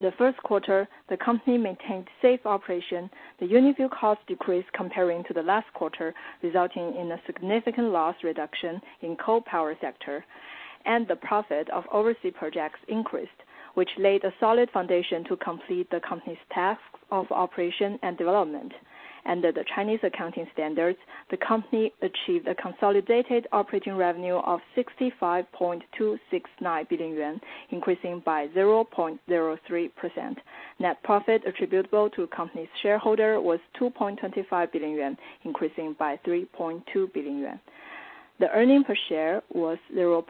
The first quarter, the company maintained safe operation. The unit fuel cost decreased comparing to the last quarter, resulting in a significant loss reduction in coal power sector. The profit of overseas projects increased, which laid a solid foundation to complete the company's task of operation and development. Under the Chinese accounting standards, the company achieved a consolidated operating revenue of 65.269 billion yuan, increasing by 0.03%. Net profit attributable to the company's shareholder was 2.25 billion yuan, increasing by 3.2 billion yuan. The earning per share was CNY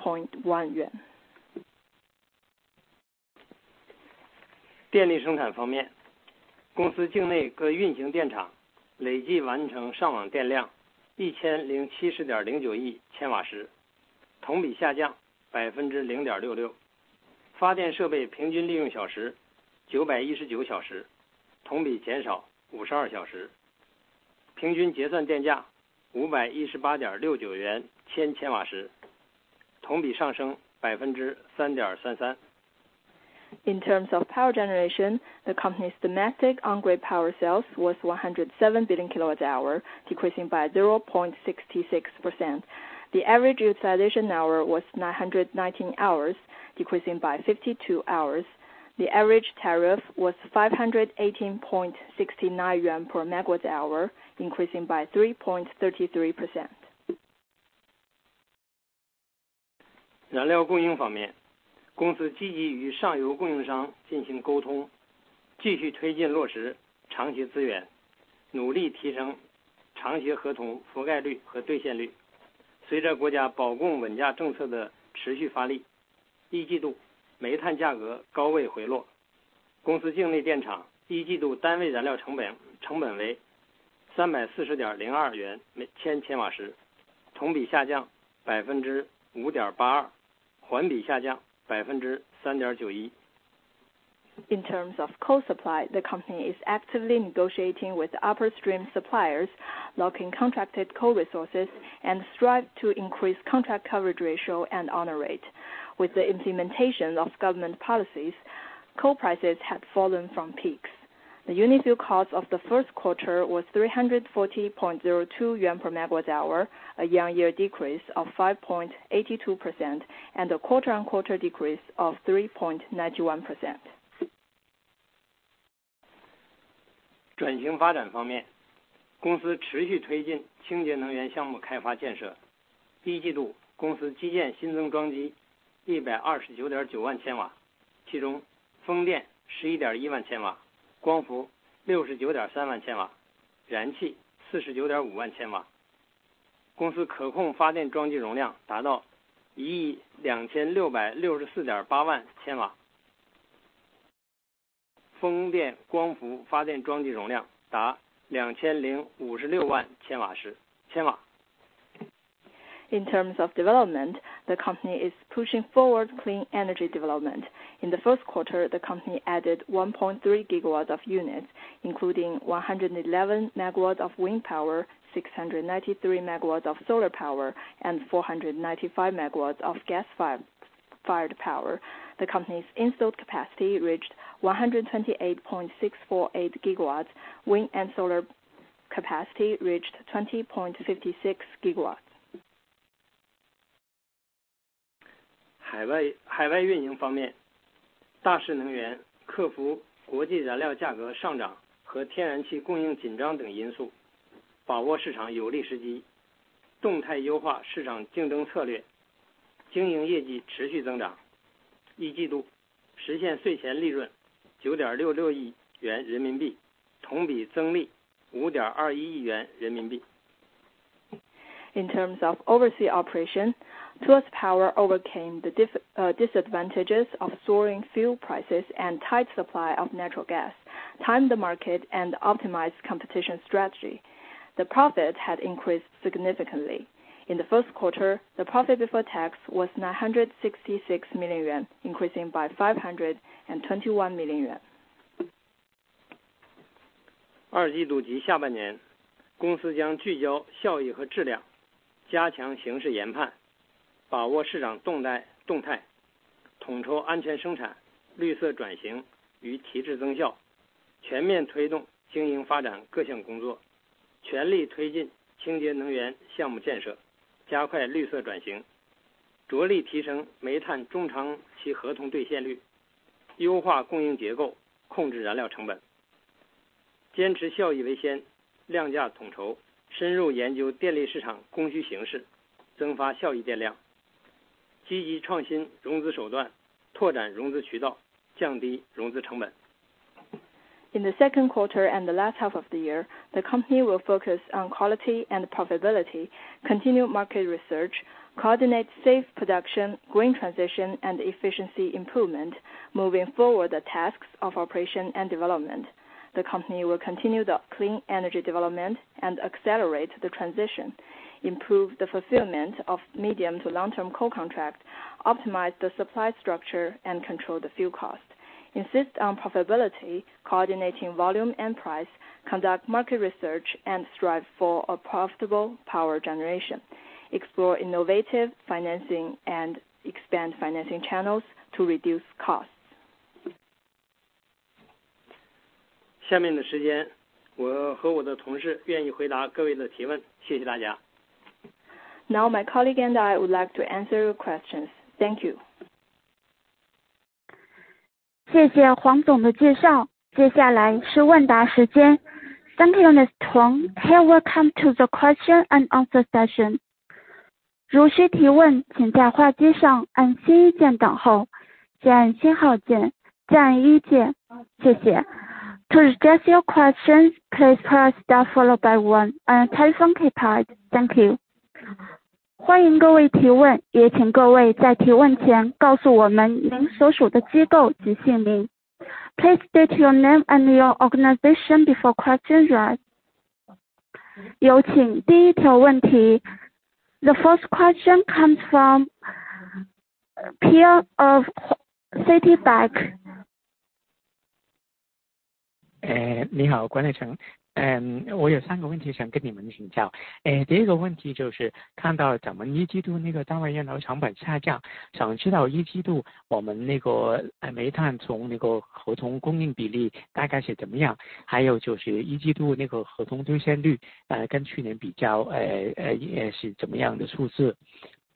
In terms of power generation, the company's domestic on-grid power sales was 107 billion kWh, decreasing by 0.66%. The average utilization hour was 919 hours, decreasing by 52 hours. The average tariff was 518.69 yuan per MWh, increasing by In terms of coal supply, the company is actively negotiating with upstream suppliers, locking contracted coal resources, and strive to increase contract coverage ratio and honor rate. With the implementation of government policies, coal prices had fallen from peaks. The unit fuel cost of the first quarter was 340.02 yuan per MWh, a year-on-year decrease of 5.82%, and a quarter-on-quarter decrease of In terms of development, the company is pushing forward clean energy development. In the first quarter, the company added 1.3 GW of units, including 111 MW of wind power, 693 MW of solar power, and 495 MW of gas-fired power. The company's installed capacity reached 128.648 gigawatts. Wind and solar capacity reached 20.56 gigawatts. In terms of overseas operation, Tuas Power overcame the disadvantages of soaring fuel prices and tight supply of natural gas, timed the market and optimized competition strategy. The profit had increased significantly. In the first quarter, the profit before tax was 966 million yuan, increasing by 521 million yuan. In the second quarter and the last half of the year, the company will focus on quality and profitability, continue market research, coordinate safe production, green transition, and efficiency improvement, moving forward the tasks of operation and development. The company will continue the clean energy development and accelerate the transition, improve the fulfillment of medium to long-term coal contract, optimize the supply structure, and control the fuel cost. Insist on profitability, coordinating volume and price, conduct market research, and strive for a profitable power generation. Explore innovative financing and expand financing channels to reduce costs. 下面的时间我和我的同事愿意回答各位的提 问， 谢谢大家。Now my colleague and I would like to answer your questions. Thank you. 谢谢黄总的介绍。接下来是问答时间。Thank you Mr. Huang. Welcome to the question and answer session. 如需提 问， 请在话机上按星一键等 候， 再按信号 键， 再按一键。谢谢。To address your question, please press star followed by one on telephone keypad, thank you. 欢迎各位提 问， 也请各位在提问前告诉我们您所属的机构及姓名。Please state your name and your organization before question, right? 有请第一条问题。The first question comes from Pearl of Citi. 哎， 你 好， 国内成， 嗯... 我有三个问题想跟你们请教。呃， 第一个问题就是看到咱们一季度那个单位燃料成本下 降， 想知道一季度我们那个煤炭从那个合同供应比例大概是怎么 样， 还有就是一季度那个合同兑现 率， 呃， 跟去年比 较， 哎... 也是怎么样的数字。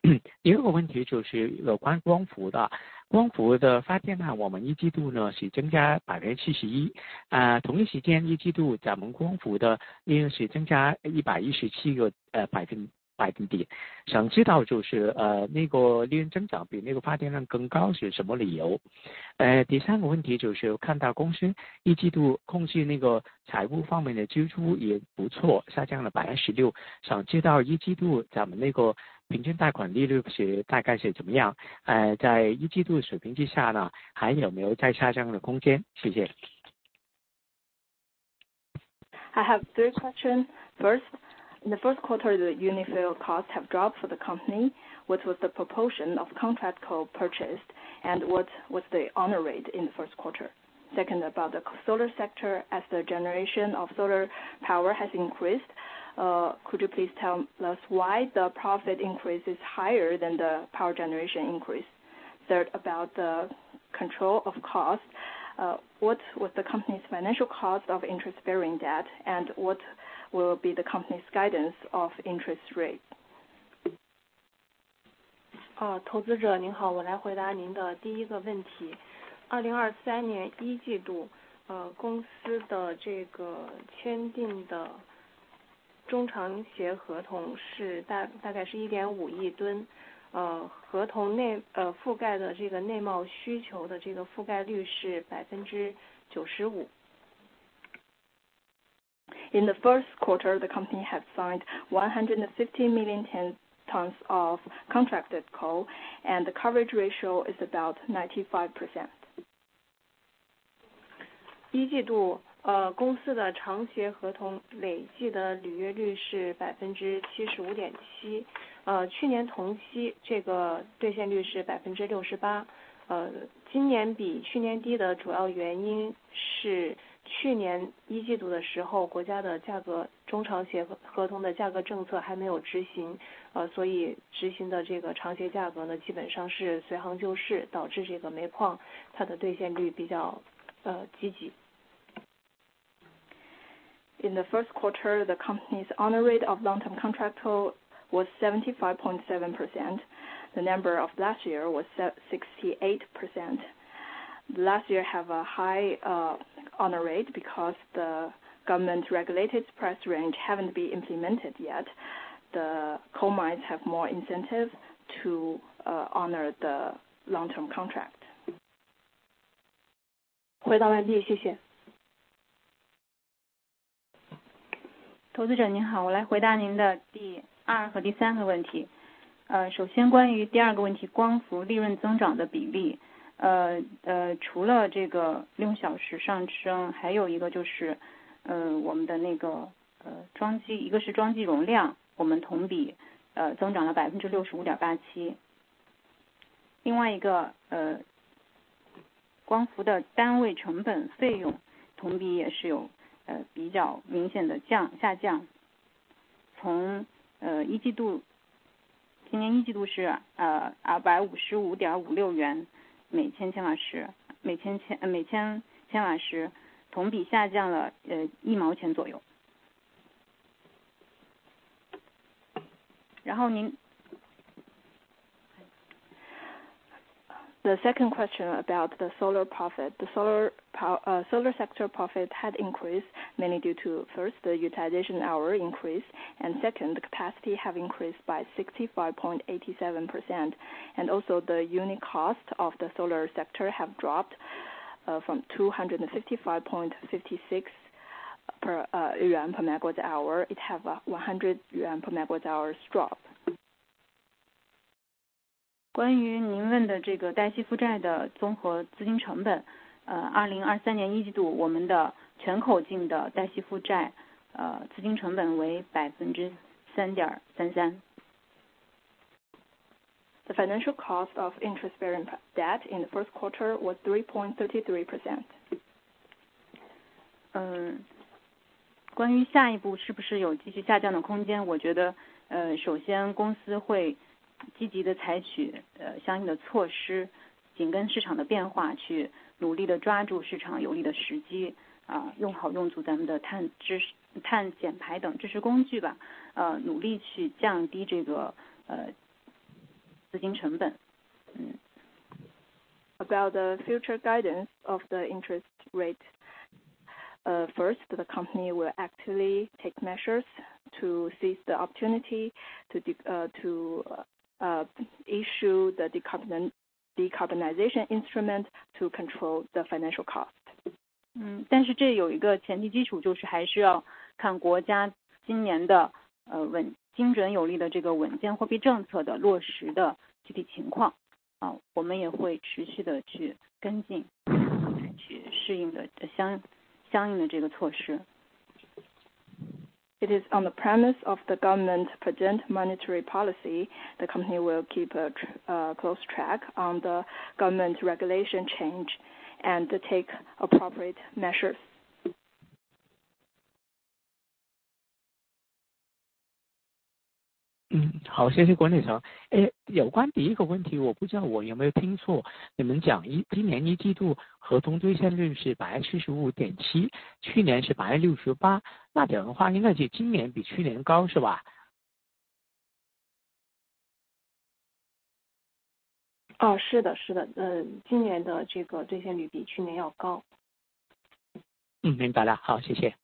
另一个问题就是有关光伏 的， 光伏的发电 量， 我们一季度 呢， 是增加百分之七十 一， 呃， 同一时间一季度咱们光伏的利润是增加一百一十七 个， 呃， 百分，百分比。想知道就 是， 呃， 那个利润增长比那个发电量更高是什么理 由？ 呃， 第三个问题就是看到公司一季度控制那个财务方面的支出也不 错， 下降了百分之十六。想知道一季度咱们那个平均贷款利率是大概是怎么 样， 呃， 在一季度的水平线下 呢， 还有没有再下降的空 间？ 谢谢。I have 3 question. 1st, the 1st quarter unit fuel costs have dropped for the company. What was the proportion of contract coal purchased and what was the honor rate in the 1st quarter? 2nd, about the solar sector. As the generation of solar power has increased, could you please tell us why the profit increase is higher than the power generation increase? 3rd, about the control of cost. What was the company's financial cost of interest-bearing debt, and what will be the company's guidance of interest rate? 啊， 投资者您 好， 我来回答您的第一个问题。2023 年一季 度， 呃， 公司的这个签订的中长协合同是大 概， 大概是一点五亿 吨， 呃， 合同 内， 呃， 覆盖的这个内贸需求的这个覆盖率是百分之九十五。In the first quarter, the company had signed 150 million tons of contracted coal and the coverage ratio is about 95%. 一季 度， 公司的长协合同累计的履约率是 75.7%。去年同期这个兑现率是 68%。今年比去年低的主要原因是去年一季度的时 候， 国家的价格中长协合同的价格政策还没有执 行， 所以执行的这个长协价格 呢， 基本上是随行就 市， 导致这个煤矿它的兑现率比较积极。In the first quarter, the company's honor rate of long-term contract coal was 75.7%. The number of last year was 68%. Last year have a high honor rate because the government regulated price range haven't been implemented yet. The coal mines have more incentive to honor the long term contract. 回答完 毕， 谢谢。投资者您 好， 我来回答您的第二和第三个问题。呃， 首先关于第二个问 题， 光伏利润增长的比例。呃 呃， 除了这个利用小时上 升， 还有一个就 是， 呃， 我们的那 个， 呃， 装 机， 一个是装机容 量， 我们同 比， 呃， 增长了百分之六十五点八七。另外一 个， 呃， 光伏的单位成本费用同比也是 有， 呃， 比较明显的 降， 下降。从， 呃， 一季 度， 今年一季度 是， 呃， 二百五十五点五六元，每千千瓦 时， 每千 千， 每千千瓦 时， 同比下降 了， 呃， 一毛钱左右。然后您... The second question about the solar profit. The solar sector profit had increased mainly due to first, the utilization hour increased, and second, the capacity have increased by 65.87%. The unit cost of the solar sector have dropped from 255.56 yuan per megawatt hour. It have 100 yuan per megawatt hours drop. 关于您问的这个带息负债的综合资金成 本， 2023一季度我们的全口径的带息负 债， 资金成本为 3.33%。The financial cost of interest bearing debt in the first quarter was 3.33%. 关于下一步是不是有继续下降的空 间， 我觉得 呃， 首先公司会积极地采取呃相应的措 施， 紧跟市场的变 化， 去努力地抓住市场有利的时 机， 啊， 用好用足咱们的碳知 识， 碳减排等支持工具 吧， 呃， 努力去降低这个 呃， 资金成本。About the future guidance of the interest rate. First, the company will actively take measures to seize the opportunity to issue the decarbonization instruments to control the financial cost. 这有一个前提基 础， 就是还是要看国家今年的精准有力的这个稳健货币政策的落实的具体情 况， 好， 我们也会持续地去跟 进， 去适应的相应的这个措施。It is on the premise of the government prudent monetary policy, the company will keep a close track on the government's regulation change and take appropriate measures. 嗯， 好， 谢谢管理层。哎， 有关第一个问 题， 我不知道我有没有听 错， 你们讲 一， 今年一季度合同兑现率是百分之七十五点 七， 去年是百分之六十 八， 那表示的话应该就今年比去年高是 吧？ 是 的， 是 的， 今年的这个兑现率比去年要高。嗯， 明白了。好， 谢谢。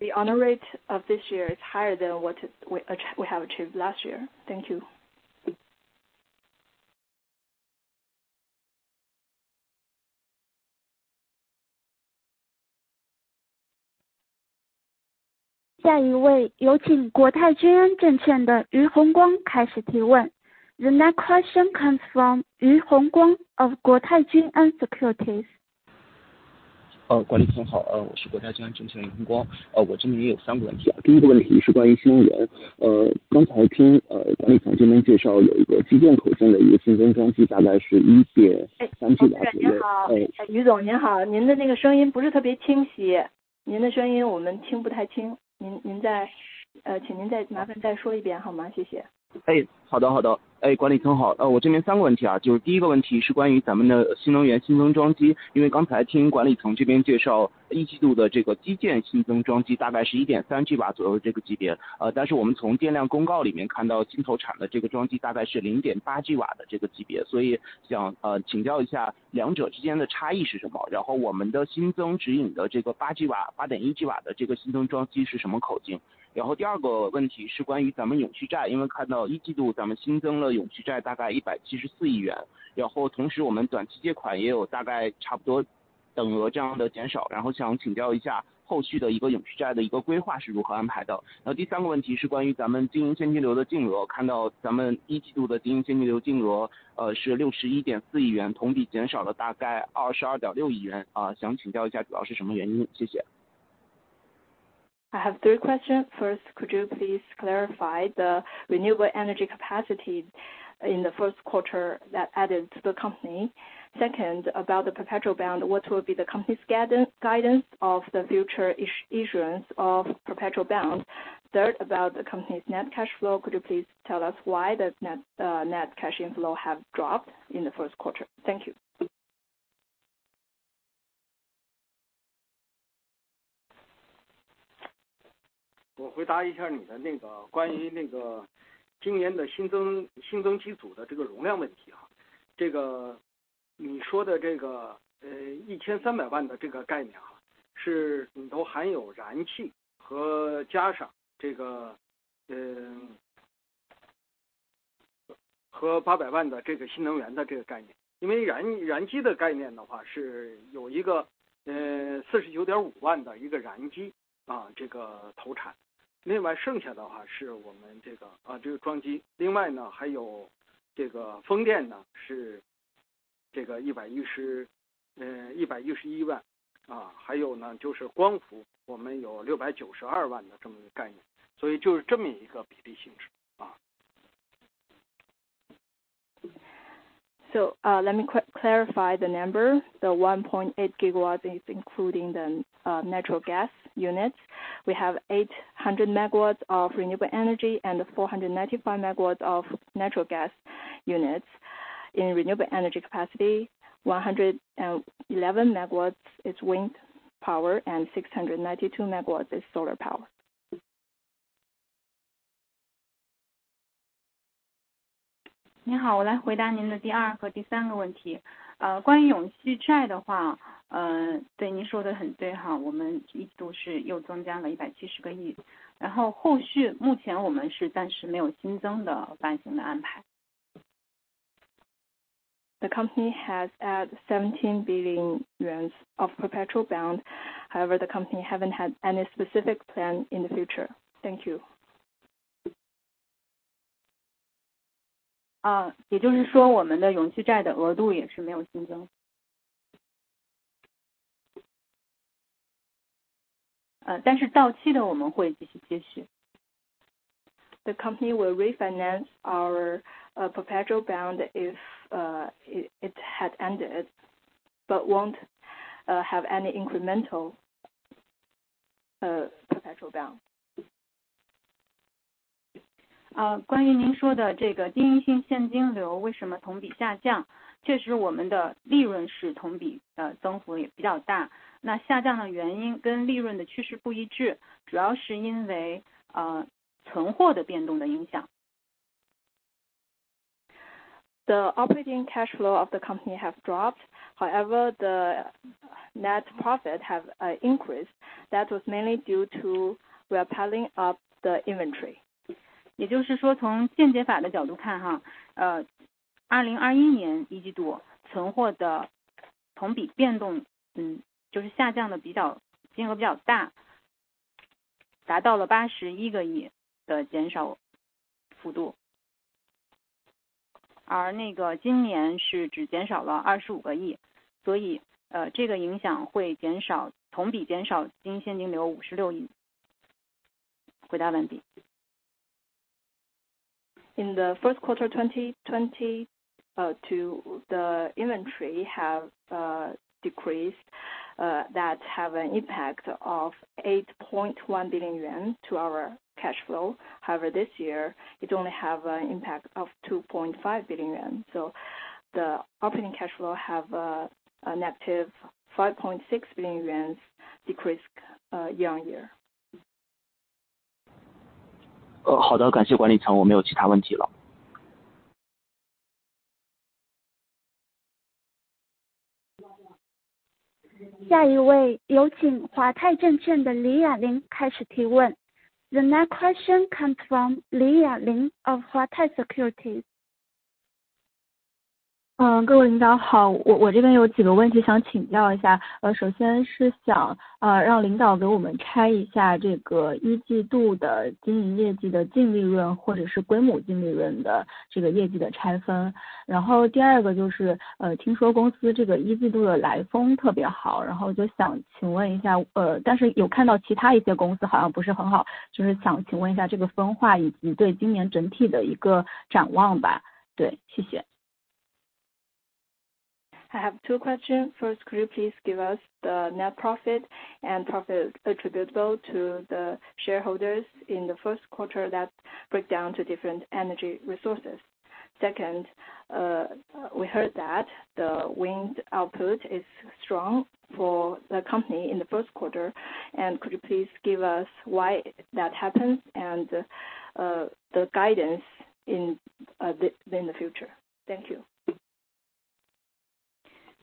The honor rate of this year is higher than what we have achieved last year. Thank you. 下一位有请国泰君安证券的于红光开始提问。The next question comes from 于红光 of Guotai Junan Securities. 管理层好，我 是 Guotai Junan Securities 的 于红光，我 这边也有三个问题。第一个问题是关于新能 源，刚 才听管理层这边介 绍，有 一个机电口径的一个新增装 机，大 概是 1.3 GW 左右。于总您 好， 您的那个声音不是特别清 晰， 您的声音我们听不太 清， 您， 您 在， 呃， 请您再麻烦再说一遍好 吗？ 谢谢。好的好的。诶， 管理层 好， 呃， 我这边三个问题 啊， 就是第一个问题是关于咱们的新能源新增装 机， 因为刚才听管理层这边介 绍， 一季度的这个机电新增装机大概是 1.3 吉瓦左右这个级 别， 呃， 但是我们从电量公告里面看到青岛产的这个装机大概是 0.8 吉瓦的这个级 别， 所以 想， 呃请教一下两者之间的差异是什 么？ 然后我们的新增指引的这个8吉 瓦， 八点一吉瓦的这个新增装机是什么口径？然后第二个问题是关于咱们永续 债， 因为看到一季度咱们新增了永续债大概一百七十四亿 元， 然后同时我们短期借款也有大概差不多等额这样的减 少， 然后想请教一下后续的一个永续债的一个规划是如何安排的。然后第三个问题是关于咱们经营现金流的净 额， 看到咱们一季度的经营现金流净 额， 呃， 是六十一点四亿 元， 同比减少了大概二十二点六亿 元， 啊， 想请教一下主要是什么原 因？ 谢谢。I have three questions. First, could you please clarify the renewable energy capacity in the first quarter that added to the company? Second, about the perpetual bond, what will be the company's guidance of the future issuance of perpetual bonds? Third, about the company's net cash flow, could you please tell us why the net cash flow has dropped in the first quarter? Thank you. 我回答一下你的那个关于那个今年的新 增， 新增机组的这个容量问题。你说的这个13 million 的这个概 念， 是里头含有燃气和加上这个和8 million 的这个新能源的这个概念。燃机的概念的话是有一个 495,000 的一个燃机投产。剩下的话是我们这个装机。还有这个风电 呢， 是这个 1.11 million。还有呢就是光 伏， 我们有 6.92 million 的么一个概 念， 所以就是这么一个比例性质。Let me clarify the number. The 1.8 gigawatts is including the natural gas units. We have 800 megawatts of renewable energy and 495 megawatts of natural gas units in renewable energy capacity 111 megawatts is wind power and 692 megawatts is solar power. 你好，我来回答您的第二个和第三个问题。关于 perpetual bond 的话，对，你说得很对，我们 Q1 是又增加了 CNY 17 billion，然后后续目前我们是暂时没有新增的办新的安排。The company has added 17 billion yuan of perpetual bond. The company hasn't had any specific plan in the future. Thank you. 也就是说我们的 perpetual bond 的额度也是没有新增。但是到期的我们会继续接续。The company will refinance our perpetual bond if it ends, won't have any incremental perpetual bond. 关于您说的这个 operating cash flow 为什么 year-over-year 下降，确实我们的利润是 year-over-year 增幅也比较大。下降的原因跟利润的趋势不一致，主要是因为存货的变动的影响。The operating cash flow of the company has dropped. The net profit has increased. That was mainly due to we are piling up the inventory. 也就是说从间接法的角度看，2021 Q1 存货的 year-over-year 变动就是下降得比较金额比较大，达到了 CNY 8.1 billion 的减少幅度。那个今年是只减少了 CNY 2.5 billion。这个影响会减少 year-over-year 减少 operating cash flow CNY 5.6 billion. 回答完毕。In Q1 2020, to the inventory has decreased that had an impact of 8.1 billion yuan to our cash flow. This year it only had an impact of 2.5 billion yuan. The operating cash flow had a negative 5.6 billion yuan decreased year-over-year. 好的感谢管理层我没有其他问题了。下一位有请华泰证券的李亚林开始提 问。The next question comes from 李亚林 of Huatai Securities. 嗯各位领导好我我这边有几个问题想请教一下。呃首先是想啊让领导给我们拆一下这个一季度的经营业绩的净利 润， 或者是归母净利润的这个业绩的拆分。然后第二个就是呃听说公司这个一季度的来风特别 好， 然后就想请问一下呃但是有看到其他一些公司好像不是很 好， 就是想请问一下这个分化以及对今年整体的一个展望吧。对， 谢谢。I have two questions. First, could you please give us the net profit and profit attributable to the shareholders in the first quarter that break down to different energy resources? Second, we heard that the wind output is strong for the company in the first quarter. Could you please give us why that happens and the guidance in the future? Thank you.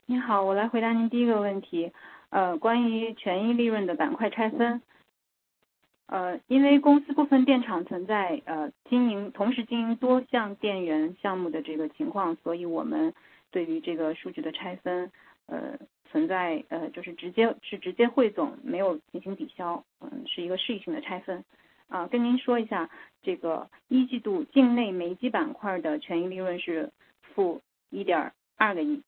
你好，我来回答您第一个问题。关于权益利润的板块拆分。因为公司部分电厂存在经营同时经营多项电源项目的这个情况，所以我们对于这个数据的拆分存在就是直接汇总，没有进行抵消，是一个事情的拆分。跟您说一下，这个一季度境内煤机板块的权益利润是-CNY 120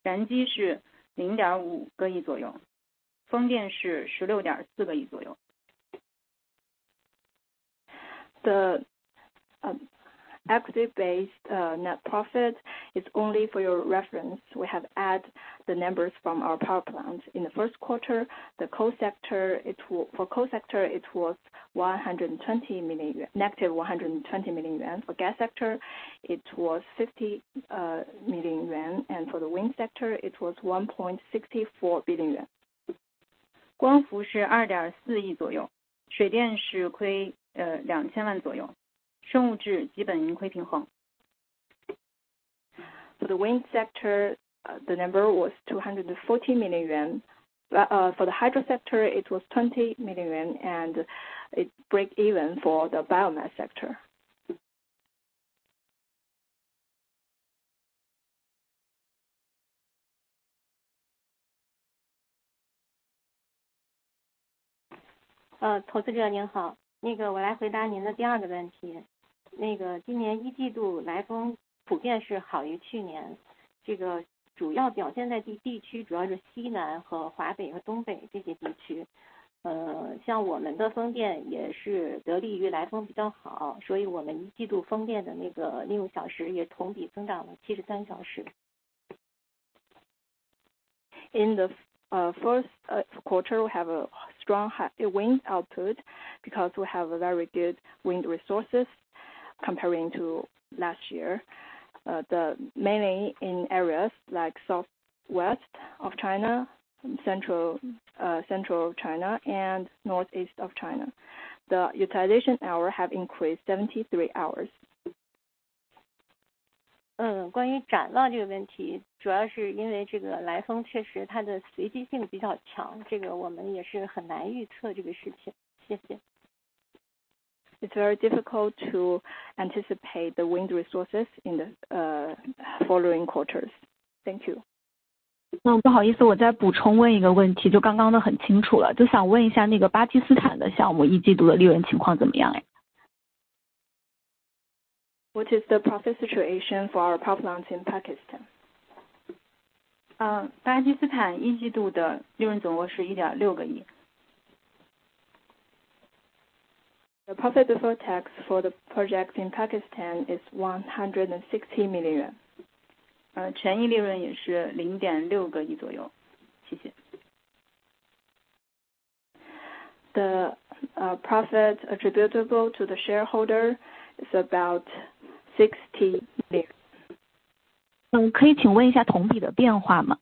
million左右，燃机是CNY 50 million左右，风电是CNY 1.64 billion左右。The equity-based net profit is only for your reference. We have add the numbers from our power plant in the first quarter the coal sector was negative 120 million yuan. For gas sector it was 50 million yuan. For the wind sector it was 1.64 billion yuan. 光伏是CNY 240 million左右，水电是亏CNY 20 million左右，生物质基本盈亏平衡。For the wind sector the number was 240 million yuan. For the hydro sector it was 20 million yuan and it break even for the biomass sector. 呃投资者您 好， 那个我来回答您的第二个问题。那个今年一季度来风普遍是好于去 年， 这个主要表现在地 区， 主要是西南和华北和东北这些地区。呃像我们的风电也是得力于来风比较 好， 所以我们一季度风电的那个利用小时也同比增长了七十三小时。In the first quarter we have a strong wind output because we have a very good wind resources comparing to last year. The mainly in areas like Southwest China, Central China and Northeast China. The utilization hour have increased 73 hours. 嗯关于展望这个问 题， 主要是因为这个来风确实它的随机性比较 强， 这个我们也是很难预测这个事情。谢谢。It's very difficult to anticipate the wind resources in the following quarters. Thank you. 那不好意 思， 我再补充问一个问 题， 就刚刚的很清楚 了， 就想问一下那个巴基斯坦的项目一季度的利润情况怎么 样？ What is the profit situation for our power plants in Pakistan? 嗯巴基斯坦一季度的利润总额是 1.6 个亿。The profit before tax for the project in Pakistan is 160 million. 呃权益利润也是零点六个亿左右。谢谢。The profit attributable to the shareholder is about 60 million. 嗯可以请问一下同比的变化 吗？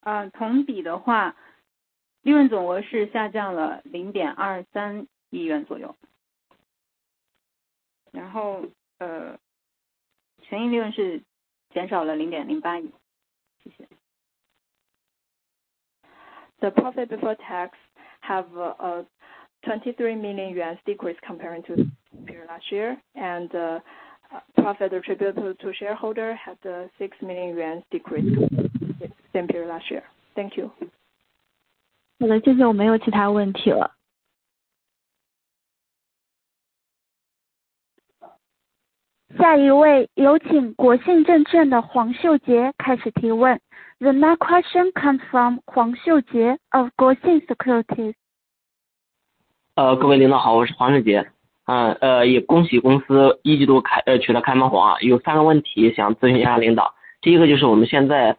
呃同比的话利润总额是下降了零点二三亿元左右。然后呃权益利润是减少了零点零八亿。谢谢。The profit before tax have a 23 million yuan decrease comparing to last year and profit attribute to shareholder had 6 million yuan decrease same period last year. Thank you. 好的谢谢我没有其他问题了。下一位有请国信证券的黄秀杰开始提问。The next question comes from 黄秀杰 of Guoxin Securities. 呃各位领导好我是黄秀杰。呃呃也恭喜公司一季度开取得开门红啊。有三个问题想咨询一下领导。第一个就是我们现在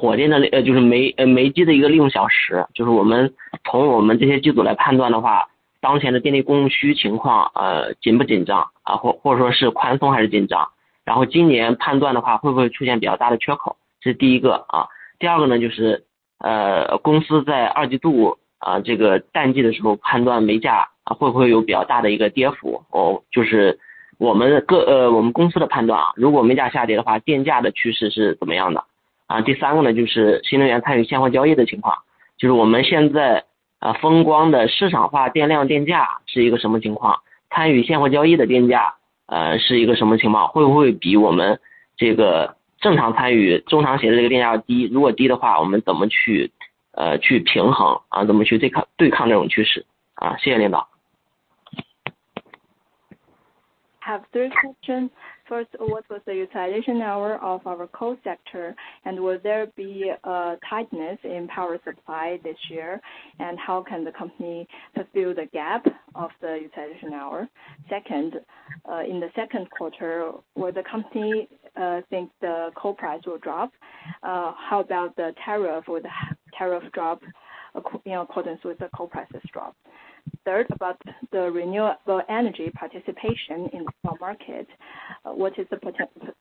火电的呃就是煤呃煤机的一个利用小 时， 就是我们从我们这些基础来判断的 话， 当前的电力供需情况呃紧不紧张 啊， 或-或者说是宽松还是紧 张， 然后今年判断的话会不会出现比较大的缺 口， 这是第一个啊。第二个 呢， 就是呃公司在二季度 啊， 这个淡季的时候判断煤价啊会不会有比较大的一个跌幅 哦， 就是我们各呃我们公司的判断 啊， 如果煤价下跌的 话， 电价的趋势是怎么样的？啊第三个 呢， 就是新能源参与现货交易的情 况， 就是我们现在啊风光的市场化电量电价是一个什么情 况， 参与现货交易的电价呃是一个什么情 况， 会不会比我们这个正常参与中长期这个电价 低， 如果低的 话， 我们怎么去呃去平衡 啊， 怎么去对抗-对抗这种趋 势？ 啊谢谢领导。Have three questions. First, what was the utilization hour of our coal sector and will there be a tightness in power supply this year? How can the company fill the gap of the utilization hour? Second, in the second quarter will the company think the coal price will drop? How about the tariff will the tariff drop you know accordance with the coal prices drop? Third, about the renewable energy participation in the market. What is the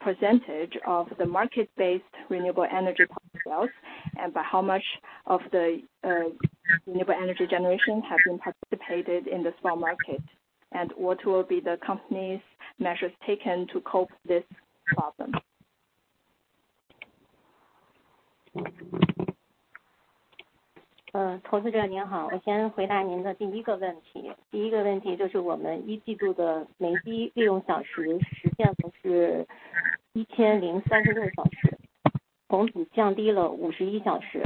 percentage of the market based renewable energy sales? By how much of the renewable energy generation has been participated in the spot market? What will be the company's measures taken to cope this problem? 投资者您 好， 我先回答您的第一个问题。第一个问题就是我们一季度的煤机利用小时实现的是 1,036 小 时， 同比降低了51小时。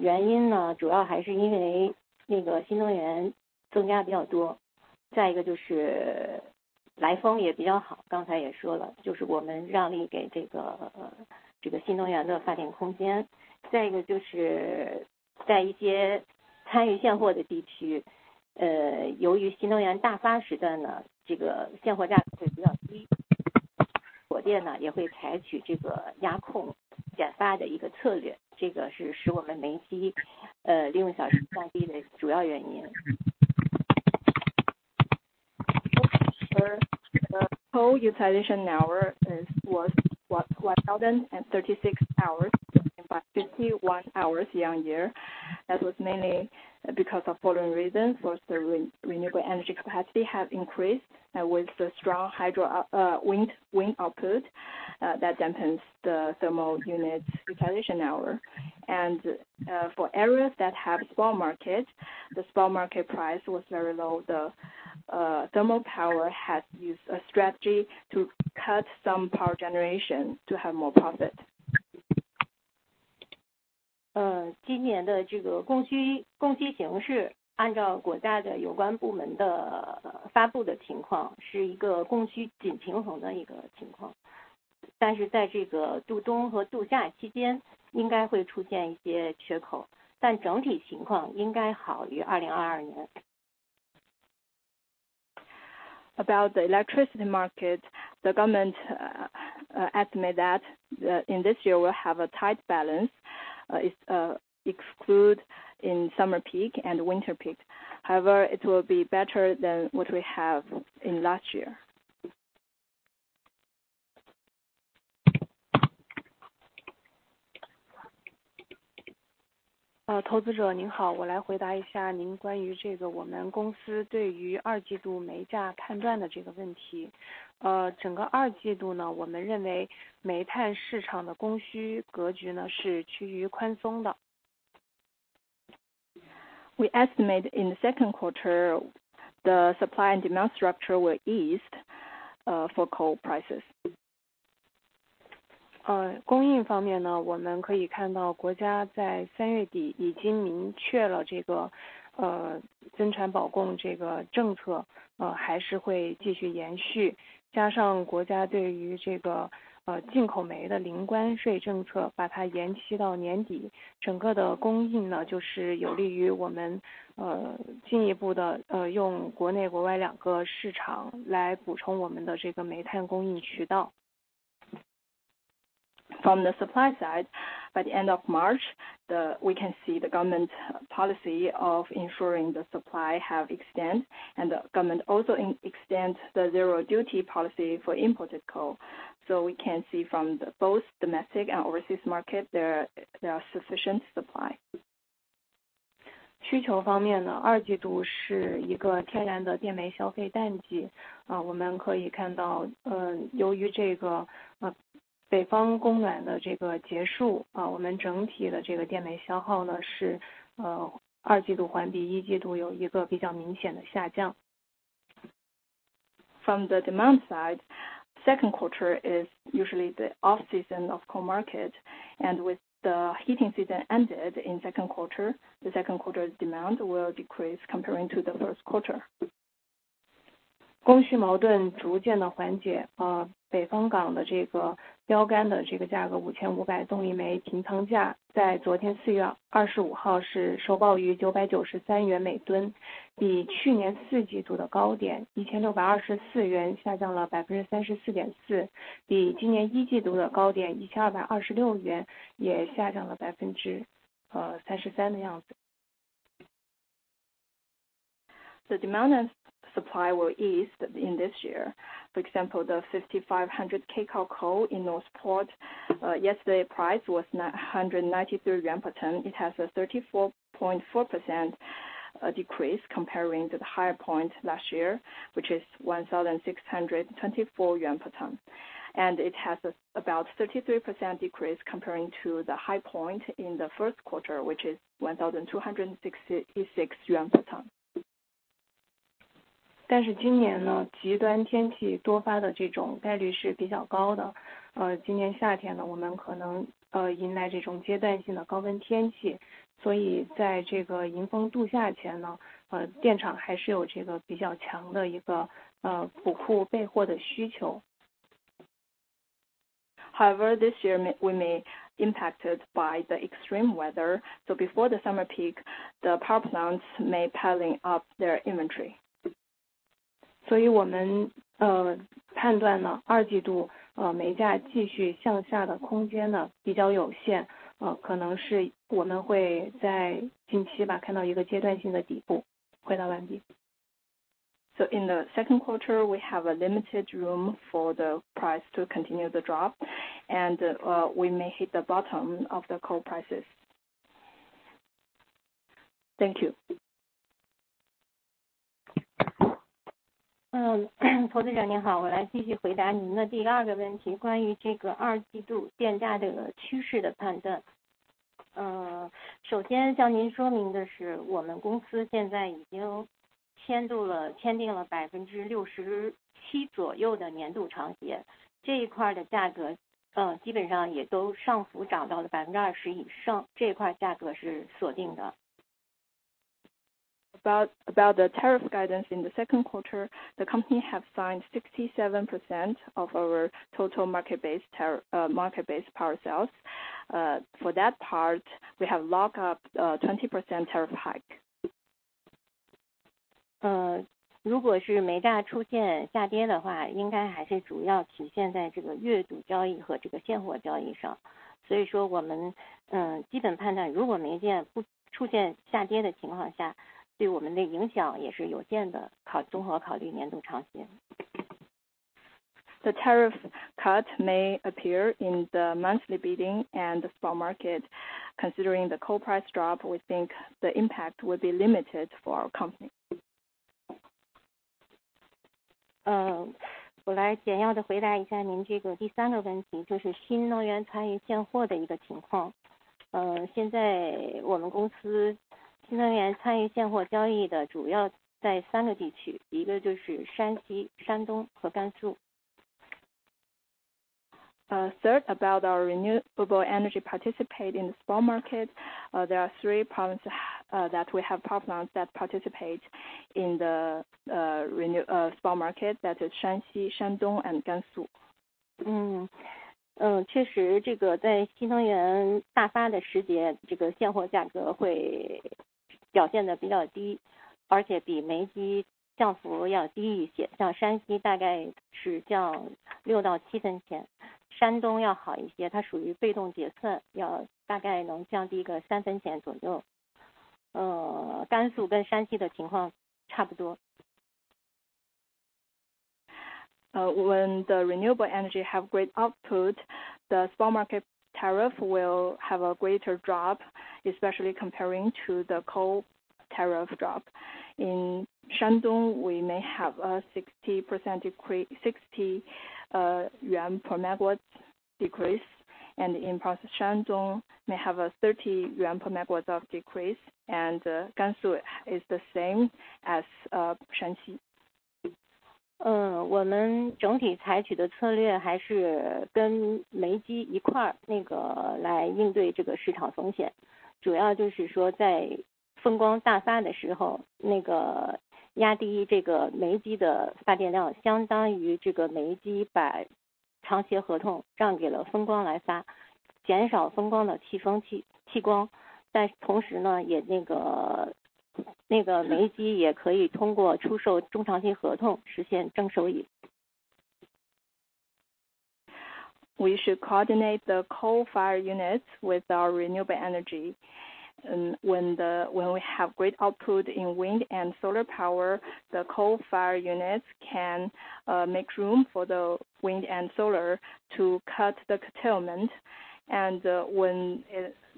原因 呢， 主要还是因为那个新能源增加比较多。再一个就是来风也比较好。刚才也说 了， 就是我们让利给这个这个新能源的发电空间。再一个就 是， 在一些参与现货的地 区， 由于新能源大发时的 呢， 这个现货价格会比较 低， 火电呢也会采取这个压控减发的一个策 略， 这个是使我们煤机利用小时降低的主要原因。The coal utilization hour was 1,036 hours, by 51 hours year-on-year. That was mainly because of following reasons. First, the renewable energy capacity has increased with the strong wind output that depends the thermal unit utilization hour. For areas that have small markets, the small market price was very low. The thermal power has used a strategy to cut some power generation to have more profit. 呃今年的这个供需供需形 势， 按照国家的有关部门的发布的情 况， 是一个供需紧平衡的一个情况。但是在这个度冬和度夏期间应该会出现一些缺 口， 但整体情况应该好于2022 年。About the electricity market, the government estimate that in this year we'll have a tight balance, exclude in summer peak and winter peak. It will be better than what we have in last year. 呃投资者您 好， 我来回答一下您关于这个我们公司对于二季度煤价判断的这个问题。呃整个二季度 呢， 我们认为煤炭市场的供需格局 呢， 是趋于宽松的。We estimate in the second quarter, the supply and demand structure will ease for coal prices. 供应方面呢我们可以看到国家在 3 月底已经明确了这个增产保供这个政策还是会继续延续加上国家对于这个进口煤的零关税政策把它延期到年底整个的供应呢就是有利于我们进一步地用国内国外两个市场来补充我们的这个煤炭供应渠道. From the supply side by the end of March we can see the government policy of ensuring the supply have extended and the government also extend the zero tariff policy for imported coal. We can see from the both domestic and overseas market there are sufficient supply. 需求方面呢二季度是一个天然的电煤消费淡季我们可以看到由于这个北方供暖的这个结束我们整体的这个电煤消耗呢是二季度环比一季度有一个比较明显的下降. From the demand side second quarter is usually the off season of coal market. With the heating season ended in second quarter the second quarter demand will decrease comparing to the first quarter. 供需矛盾逐渐地缓解北方港的这个标杆的这个价格 5,500 动力煤平仓价在昨天 3月25 号是收报于 CNY 993 每吨比去年 4 季度的高点 CNY 1,624 下降了 34.4% 比今年 1 季度的高点 CNY 1,226 也下降了 33% 的样子. The demand supply will ease in this year. For example, the 5,500 K coal in north port yesterday price was 993 yuan per ton. It has a 34.4% decrease comparing to the higher point last year which is 1,624 yuan per ton and it has about a 33% decrease comparing to the high point in the first quarter which is 1,266 yuan per ton. 今年呢极端天气多发的这种概率是比较高的今年夏天呢我们可能迎来这种阶段性的高温天气所以在迎峰度夏前呢电厂还是有这个比较强的一个补库备货的需求. This year we may impacted by the extreme weather. Before the summer peak, the power plants may piling up their inventory. 我们判断呢二季度煤价继续向下的空间呢比较有限可能是我们会在近期吧看到一个阶段性的底部回到兰迪. In the second quarter, we have a limited room for the price to continue the drop and we may hit the bottom of the coal prices. Thank you. 嗯投资人您好我来继续回答您的第二个问题关于这个二季度电价这个趋势的判断嗯首先向您说明的是我们公司现在已经签入了签订了百分之六十七左右的年度长协这一块的价格嗯基本上也都上浮涨到了百分之二十以上这一块价格是锁定的。About the tariff guidance. In the second quarter, the company have signed 67% of our total market-based power sales. For that part, we have locked up 20% tariff hike. 呃如果是煤价出现下跌的话应该还是主要体现在这个月度交易和这个现货交易上所以说我们嗯基本判断如果煤电不出现下跌的情况下对我们的影响也是有限的考综合考虑年度长协。The tariff cut may appear in the monthly bidding and the spot market. Considering the coal price drop, we think the impact will be limited for our company. 呃我来简要地回答一下您这个第三个问题就是新能源参与现货的一个情况呃现在我们公司新能源参与现货交易的主要在三个地区一个就是山西、山东和甘肃。Third, about our renewable energy participate in the spot market. There are 3 provinces that we have power plants that participate in the spot market. That is Shanxi, Shandong, and Gansu. 嗯嗯确实这个在新能源大发的时节这个现货价格会表现得比较低而且比煤机降幅要低一些像山西大概是降六到七分钱山东要好一些它属于被动结算要大概能降低个三分钱左右呃甘肃跟山西的情况差不多。When the renewable energy have great output, the spot market tariff will have a greater drop, especially comparing to the coal tariff drop. In Shandong, we may have a 60 yuan per megawatt decrease, and in Shanxi, Shandong may have a 30 yuan per megawatt of decrease. Gansu is the same as Shanxi. 我们整体采取的策略还是跟煤机一块儿来应对这个市场风险。主要就是说在风光爆发的时 候， 压低这个煤机的发电 量， 相当于这个煤机把长协合同让给了风光来 发， 减少风光的弃风弃光。但同时 呢， 煤机也可以通过出售中长期合同实现正 We should coordinate the coal fire unit with our renewable energy. When we have great output in wind and solar power, the coal fire unit can make room for the wind and solar to cut the settlement. When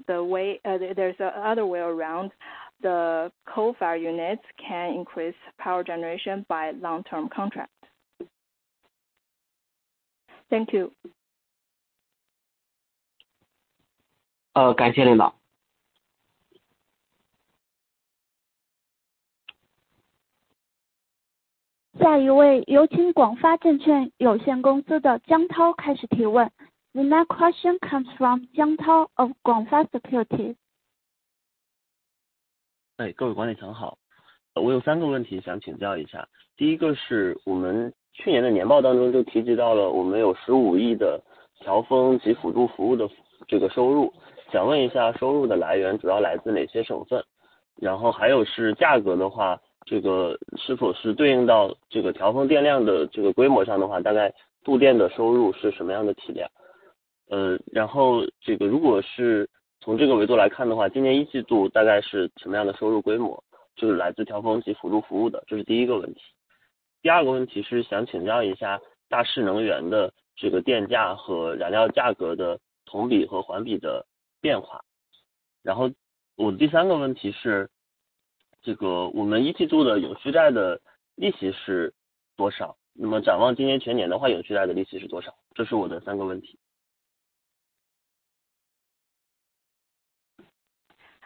there's the other way around the coal fire unit can increase power generation by long term contract. Thank you. 感谢领 导. 下一位有请广发证券有限公司的江涛开始提问。The next question comes from Jiang Tao of GF Securities. 哎各位管理层好。我有三个问题想请教一下。第一个是我们去年的年报当中就提及到了我们有十五亿的调峰及辅助服务的这个收入。想问一下收入的来源主要来自哪些省 份？ 然后还有是价格的 话， 这个是否是对应到这个调峰电量的这个规模上的 话， 大概售电的收入是什么样的体 量？ 呃然后这个如果是从这个维度来看的 话， 今年一季度大概是什么样的收入规 模， 就是来自调峰及辅助服务 的， 这是第一个问题。第二个问题是想请教一下大势能源的这个电价和燃料价格的同比和环比的变化。然后我第三个问题是这个我们一季度的永续债的利息是多 少？ 那么展望今年全年的 话， 永续债的利息是多 少？ 这是我的三个问题。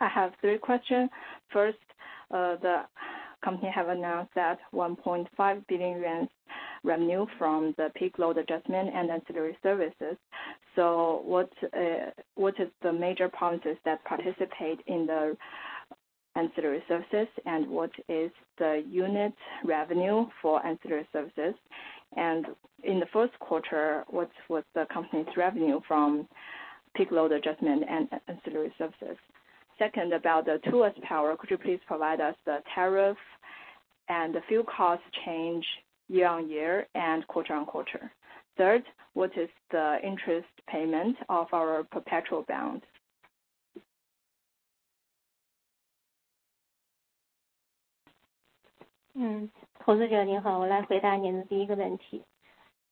I have three questions. First, the company has announced that 1.5 billion yuan revenue from the peak regulation and ancillary services. What is the major provinces that participate in the ancillary services and what is the unit revenue for ancillary services? In the first quarter, what's the company's revenue from peak regulation and ancillary services? Second, about the Tuas Power, could you please provide us the tariff and the fuel cost change year-over-year and quarter-over-quarter? Third, what is the interest payment of our perpetual bonds? 投资者您好我来回答您的 1st 个问 题，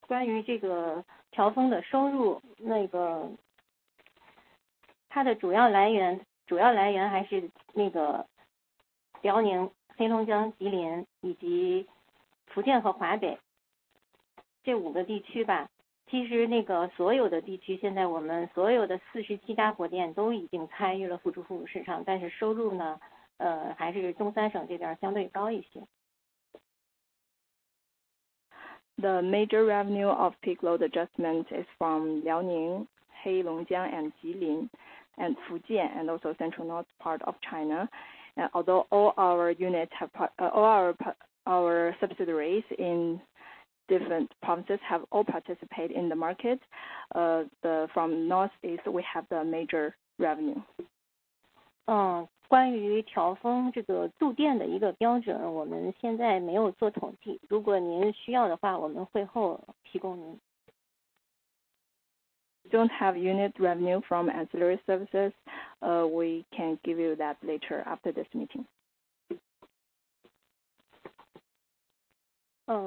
关于这个 peak regulation 的收 入， 它的主要来源还是辽宁、黑龙江、吉林以及福建和华北这5个地区吧。所有的地 区， 现在我们所有的47家火电都已经参与了 ancillary services market， 收入 呢， 还是 Northeast China 这边相对高一些。The major revenue of peak regulation is from 辽宁、黑龙江 and 吉林 and 福建 and also central north part of China. All our subsidiaries in different provinces have all participate in the market, the from Northeast we have the major revenue. 关于 peak regulation 这个售电的1个标 准， 我们现在没有做统 计， 如果您需要的 话， 我们会后提供您。Don't have unit revenue from ancillary services. We can give you that later after this meeting.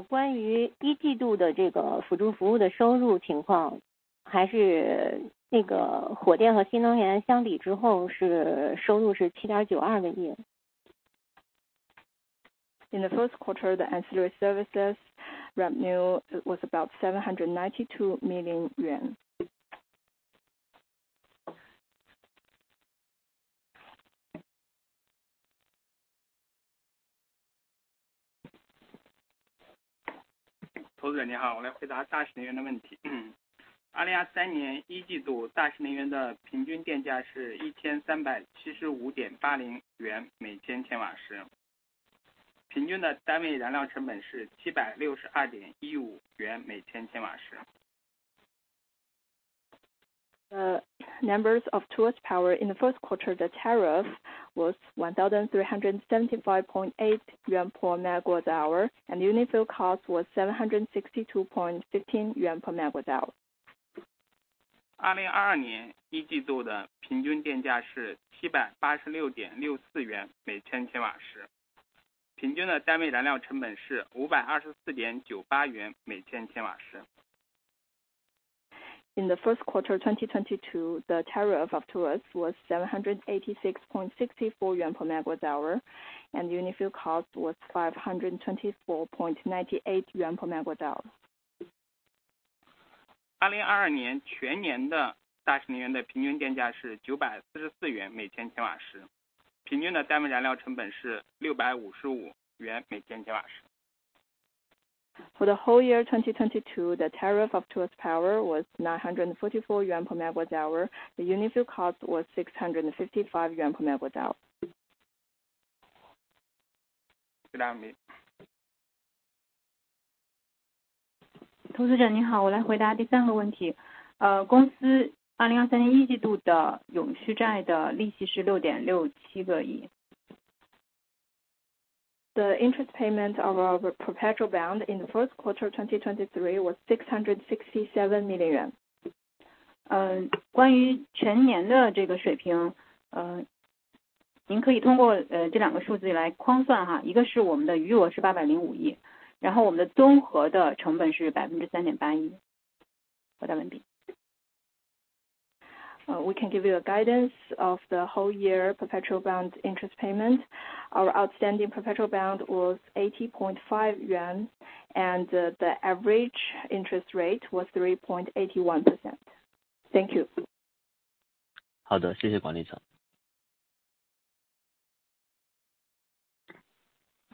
关于 Q1 的这个 ancillary services 的收入情 况， 还是这个火电和新能源相比之后是收入是 CNY 792 million。In Q1, the ancillary services revenue was about 792 million yuan. 投资者您 好， 我来回答大势能源的问题。2023 年一季度大势能源的平均电价是一千三百七十五点八零元每千千瓦 时， 平均的单位燃料成本是七百六十二点一五元每千千瓦时。Numbers of two power in the first quarter, the tariff was 1,375.8 yuan per megawatt hour and unit fuel cost was 762.15 yuan per megawatt hour. 2022年一季度的平均电价是七百八十六点六四元每千千瓦 时， 平均的单位燃料成本是五百二十四点九八元每千千瓦时。In the first quarter 2022 the tariff of two was 786.64 yuan per megawatt hour and unit fuel cost was 524.98 yuan per megawatt hour. 2022年全年的大庆能源的平均电价是 CNY 944每千千瓦 时， 平均的单位燃料成本是 CNY 655每千千瓦时。For the whole year 2022, the tariff of 2S power was 944 yuan per megawatt-hour. The unit fuel cost was 655 yuan per megawatt-hour. 投资 者， 你 好， 我来回答第三个问题。公司2023一季度的永续债的利息是 CNY 6.67 亿。The interest payment of our perpetual bond in the first quarter 2023 was CNY 667 million. 关于全年的这个水 平， 您可以通过这2个数字来框 算， 一个是我们的余额是 CNY 80.5 billion， 然后我们的综合的成本是 3.81%。We can give you a guidance of the whole year perpetual bond interest payment. Our outstanding perpetual bond was 80.5 yuan, and the average interest rate was 3.81%. Thank you. 好 的， 谢谢管理层。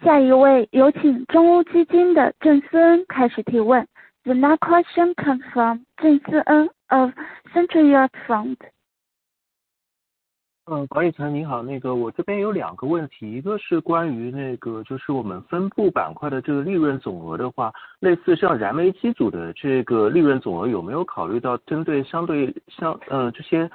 下一 位， 有请中欧基金的郑思恩开始提问。The next question comes from 郑思恩 of Central Europe Fund. 呃， 管理层您 好， 那个我这边有两个问 题， 一个是关于那个就是我们分布板块的这个利润总额的 话， 类似像燃煤机组的这个利润总 额， 有没有考虑到针对相对 像， 呃， 这些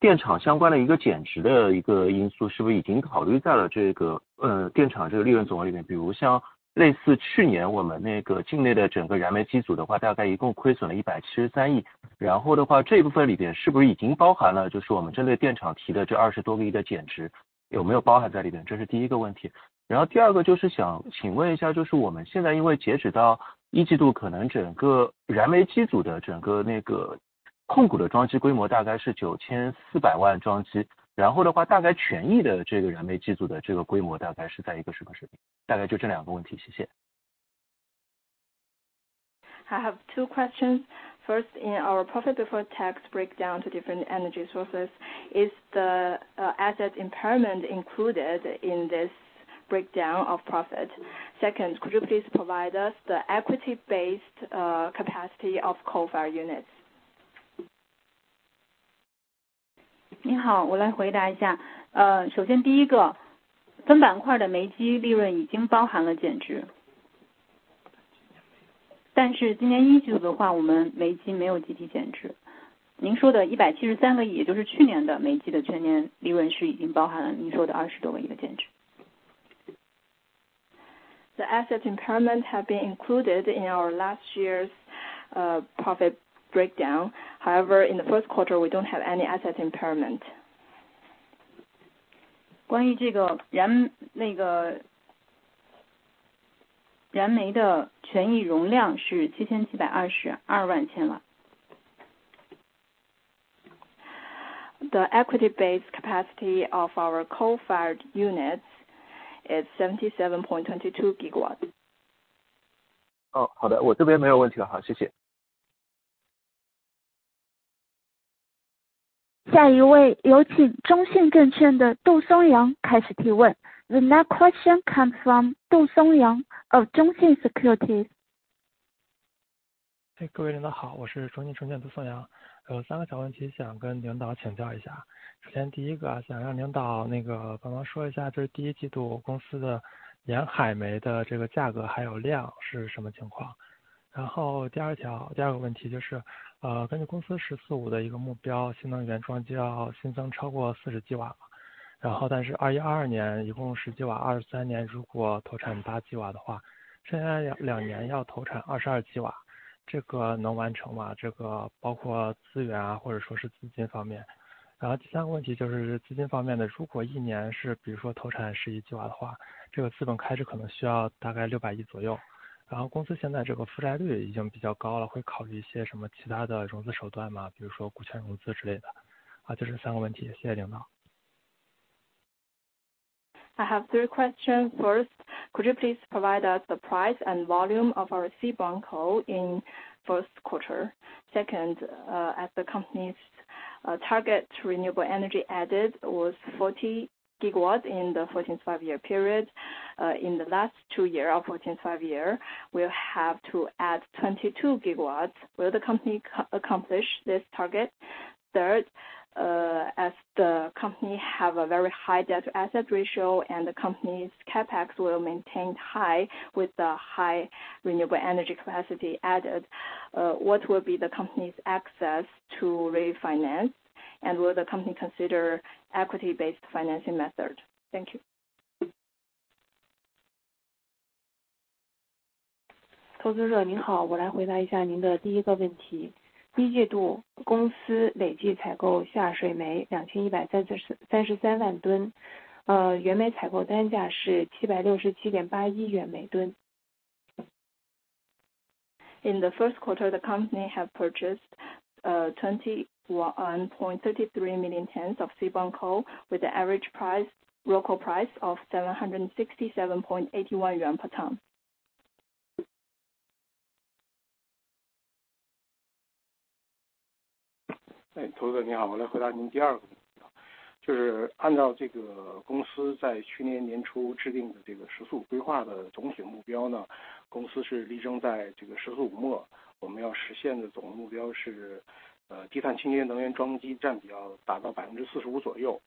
电厂相关的一个减值的一个因 素， 是不是已经考虑在了这 个， 呃， 电厂这个利润总额里 面， 比如像类似去年我们那个境内的整个燃煤机组的 话， 大概一共亏损了一百七十三亿。然后的话这一部分里面是不是已经包含 了， 就是我们针对电厂提的这二十多亿的减 值， 有没有包含在里 边？ 这是第一个问题。然后第二个就是想请问一 下， 就是我们现在因为截止到一季 度， 可能整个燃煤机组的整个那个控股的装机规模大概是九千四百万装 机， 然后的话大概权益的这个燃煤机组的这个规模大概是在一个什么水 平？ 大概就这两个问 题， 谢谢。I have two questions. First, in our profit before tax breakdown to different energy sources. Is the asset impairment included in this breakdown of profit? Second, could you please provide us the equity based capacity of coal-fired units? 你 好， 我来回答一下。呃， 首先第一 个， 分板块的煤机利润已经包含了减值。但是今年一季度的 话， 我们煤机没有积极减值。您说的一百七十三个 亿， 也就是去年的煤机的全年利 润， 是已经包含了您说的二十多亿的减值。The asset impairment have been included in our last year's profit breakdown. However, in the first quarter, we don't have any asset impairment. 关于那个燃煤的权益容量是 77,220,000 千瓦。The equity based capacity of our coal-fired units is 77.22 GW. 哦， 好 的， 我这边没有问题了。好， 谢谢。下一 位， 有请中信证券的杜松阳开始提问。The next question comes from 杜松阳 of CITIC Securities. 各位领导 好， 我是中信证券杜松阳。有三个小问题想跟领导请教一下。首先第一个 啊， 想让领导那个帮忙说一 下， 就是第一季度公司的沿海煤的这个价格还有量是什么情况。然后第二 条， 第二个问题就 是， 呃， 根据公司十四五的一个目 标， 新能源装机要新增超过四十吉 瓦， 然后但是二一二年一共十几 瓦， 二三年如果投产八吉瓦的 话， 剩下 两， 两年要投产二十二吉 瓦， 这个能完成 吗？ 这个包括资源啊或者说是资金方面。然后第三个问题就是资金方面 的， 如果一年是比如说投产十一吉瓦的 话， 这个资本开支可能需要大概六百亿左 右， 然后公司现在这个负债率已经比较高 了， 会考虑一些什么其他的融资手段 吗？ 比如说股权融资之类的。好， 就是三个问 题， 谢谢领导。I have 3 questions. First, could you please provide us the price and volume of our seaborne coal in first quarter? Second, as the company's target renewable energy added was 40 GW in the 14th Five-Year period. In the last 2 year of 14th Five-Year, we'll have to add 22 GW. Will the company accomplish this target? Third, as the company have a very high debt-to-asset ratio, and the company's CapEx will maintain high with the high renewable energy capacity added. What will be the company's access to refinance? Will the company consider equity-based financing method? Thank you. 投资 者， 您 好， 我来回答一下您的第一个问题。一季度公司累计采购下水煤两千一百三十 三， 三十三万 吨， 呃， 原煤采购单价是七百六十七点八一元每吨。In the first quarter, the company have purchased 213,300 tons of coal, the average price, local price was CNY 767.81/ton. 投资人你 好， 我来回答您第二个问题。就是按照这个公司在去年年初制定的这个十四五规划的总体目标 呢， 公司是力争在这个十四五 末， 我们要实现的总目标是 呃， 低碳清洁能源装机占比要达到百分之四十五左右。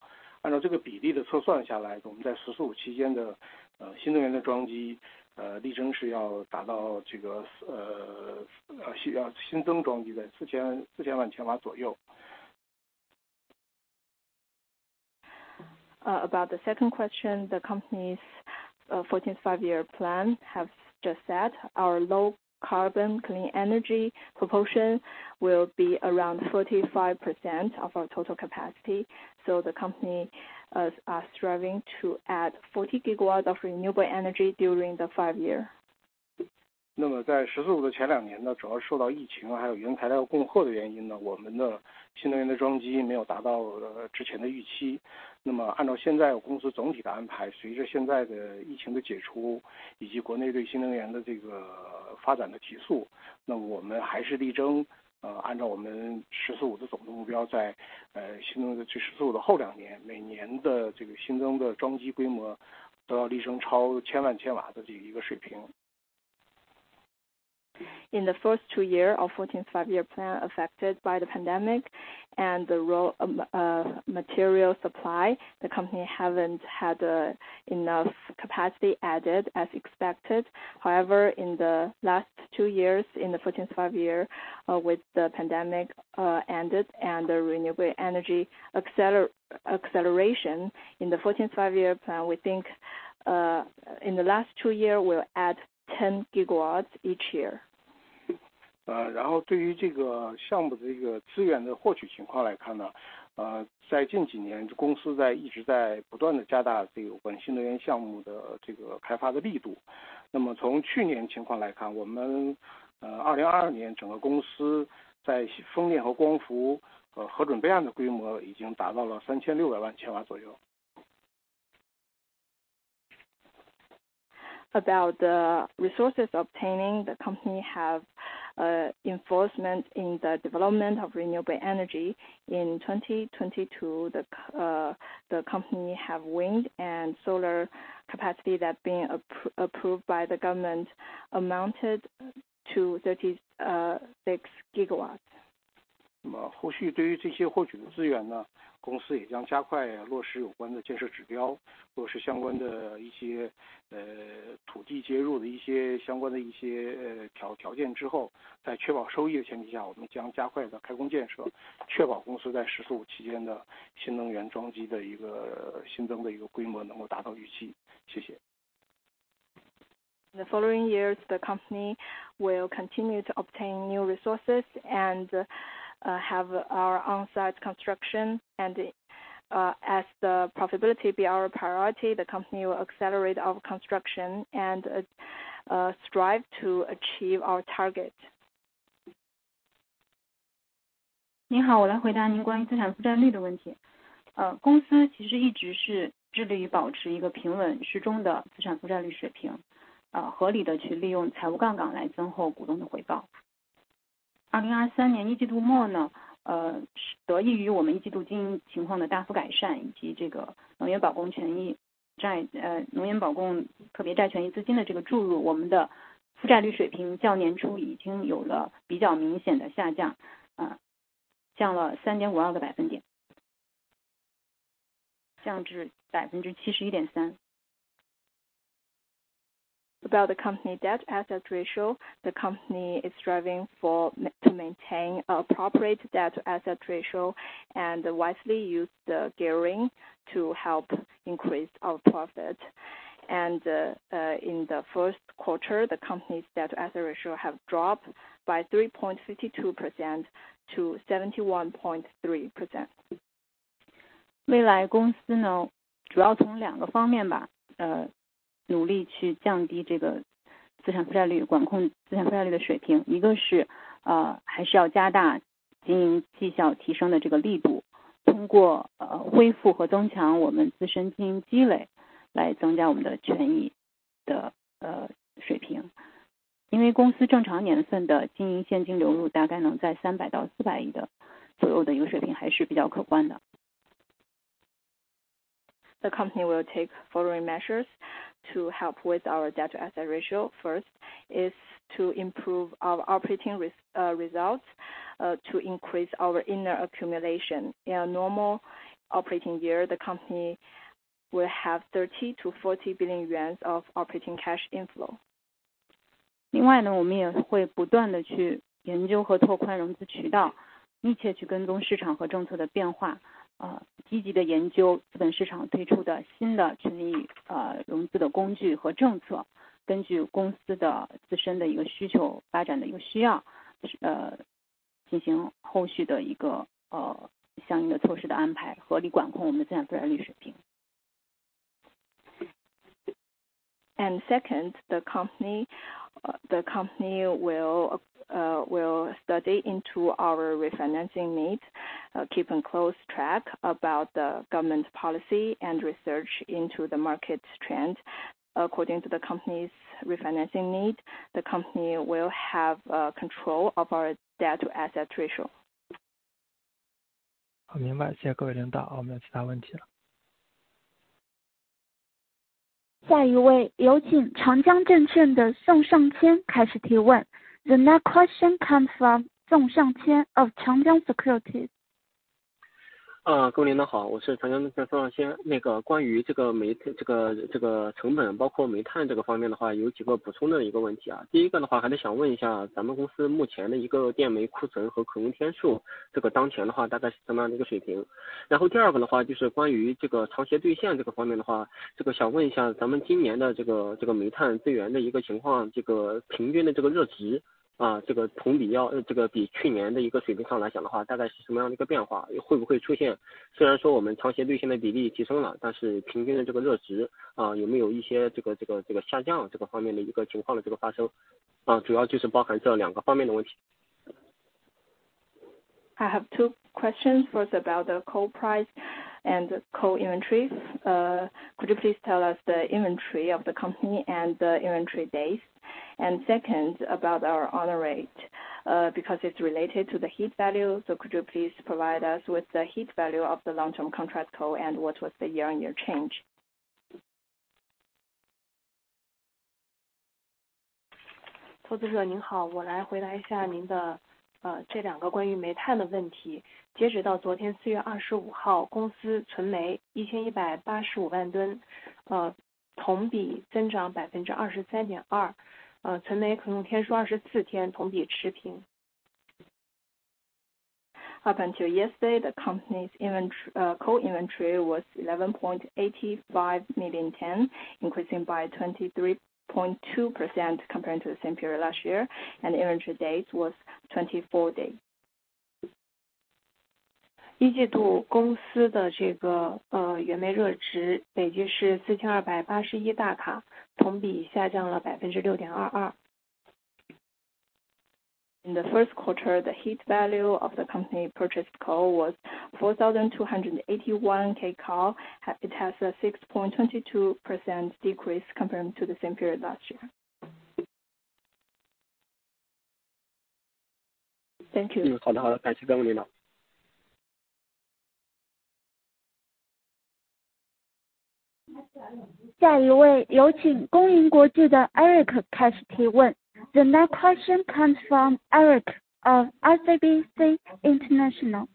按照这个比例的测算下 来， 我们在十四五期间的 呃， 新能源的装 机， 呃， 力争是要达到这 个， 呃， 需要新增装机在四 千， 四千万千瓦左右。About the second question. The company's 14th Five-Year Plan has just said our low carbon clean energy proportion will be around 45% of our total capacity. The company is striving to add 40 gigawatts of renewable energy during the five year. 那么在十四五的前 two 年 呢， 主要受到疫情还有原材料供货的原因 呢， 我们的新能源的装机没有达到之前的预期。那么按照现在公司总体的 安排， 随着现在的疫情的 解除， 以及国内对新能源的这个发展的 提速， 那么我们还是力争按照我们十四五的总体 目标， 在新能源的十四五的后 two 年， 每年的这个新增的装机规模都要力争超10 million kilowatts 的这一个水平。In the first two year of 14th Five-Year Plan affected by the pandemic and the raw materials supply, the company haven't had enough capacity added as expected. In the last two years in the 14th Five-Year with the pandemic ended and renewable energy acceleration in the 14th Five-Year Plan, we think in the last two year will add 10 gigawatts each year. 对于这个项目的一个资源的获取情况来看 呢， 在近几 年， 公司在不断地加大这个新能源项目的这个开发的力度。从去年情况来 看， 我们2022年整个公司在风电和光伏的核准备案的规模已经达到了3600万千瓦左右。About the resources obtaining the company have enforcement in the development of renewable energy in 2022. The company have wind and solar capacity that being approved by the government amounted to 36 gigawatts. 后续对于这些获取的资源 呢， 公司也将加快落实有关的建设 指标， 落实相关的 一些， 土地接入的一些相关的一些条件之 后， 在确保收益的前提 下， 我们将加快它的开工 建设， 确保公司在十四五期间的新能源装机的一个新增规模能够达到预期。谢谢。The following years the company will continue to obtain new resources and have our on-site construction. As the profitability be our priority the company will accelerate our construction and strive to achieve our target. 你 好， 我来回答您关于资产负债率的问题。公司其实一直是致力于保持一个平稳适中的资产负债率水 平， 合理的去利用财务杠杆来增厚股东的回报。2023 年一季度末 呢， 得益于我们一季度经营情况的大幅改 善， 以及这个能源保供特别债权益资金的这个注 入， 我们的负债率水平较年初已经有了比较明显的下 降， 降了 3.52%。降至 71.3%。About the company debt-to-asset ratio. The company is striving for to maintain appropriate debt-to-asset ratio and wisely use the gearing to help increase our profit. In the first quarter the company's debt-to-asset ratio have dropped by 3.52% to 71.3%. 未来公司 呢， 主要从两个方面 吧， 努力去降低这个资产负债 率， 管控资产负债率的水平。一个 是， 还是要加大经营绩效提升的这个力 度， 通过恢复和增强我们自身经营积 累， 来增加我们的权益的水平。因为公司正常年份的经营现金流入大概能在 CNY 30 billion 到 CNY 40 billion 的左右的一个水平还是比较可观的。The company will take following measures to help with our debt-to-asset ratio. First is to improve our operating results to increase our inner accumulation. In a normal operating year the company will have 30 billion to 40 billion yuan of operating cash inflow. 另外 呢， 我们也会不断地去研究和拓宽融资渠 道， 密切去跟踪市场和政策的变 化， 积极地研究资本市场推出的新的权益融资的工具和政 策， 根据公司的自身的一个需 求， 发展的需 要， 进行后续的一个相应的措施的安 排， 合理管控我们的资产负债率水平。Second, the company will study into our refinancing needs, keeping close track about the government's policy and research into the market trends according to the company's refinancing needs. The company will have control of our debt-to-asset ratio. 好， 明 白， 谢谢各位领导。我们没有其他问题了。下一 位， 有请长江证券的宋尚谦开始提问。The next question come from 宋尚谦 of Changjiang Securities. 呃， 各位领导 好， 我是长江证券宋尚 谦， 那个关于这个煤这 个， 这个成 本， 包括煤炭这个方面的 话， 有几个补充的一个问题啊。第一个的话还是想问一 下， 咱们公司目前的一个电煤库存和可用天 数， 这个当前的话大概是怎么样的一个水 平？ 然后第二个的话就是关于这个长协兑现这个方面的 话， 这个想问一下咱们今年的这 个， 这个煤炭资源的一个情 况， 这个平均的这个热 值， 啊，这个同比 要， 这个比去年的一个水平上来讲的 话， 大概是什么样的一个变 化， 会不会出现虽然说我们长协兑现的比例提升 了， 但是平均的这个热 值， 啊， 有没有一些这 个， 这 个， 这个下降这个方面的一个情况的这个发 生， 啊。主要就是包含这两个方面的问题。I have two questions for about the coal price and coal inventories. Could you please tell us the inventory of the company and the inventory days? Second, about our honor rate, because it's related to the heat value, so could you please provide us with the heat value of the long term contract coal and what was the year-over-year change? 投资者您 好， 我来回答一下您 的， 呃， 这两个关于煤炭的问题。截止到昨天四月二十五 号， 公司存煤一千一百八十五万 吨， 呃， 同比增长百分之二十三点 二， 呃， 存煤可用天数二十四 天， 同比持平。Up until yesterday the company's coal inventory was 11.85 million tons, increasing by 23.2% compared to the same period last year. Inventory days was 24 days. 一季度公司的这 个， 呃， 原煤热值累计是四千二百八十一大 卡， 同比下降了百分之六点二二。In the first quarter, the heat value of the company purchased coal was 4,281 kcal, it has a 6.22% decrease compared to the same period last year. Thank you. 好的好 的， 感谢各位领导。下一 位， 有请工银国际的 Eric 开始提问。The next question comes from Eric of ICBC International.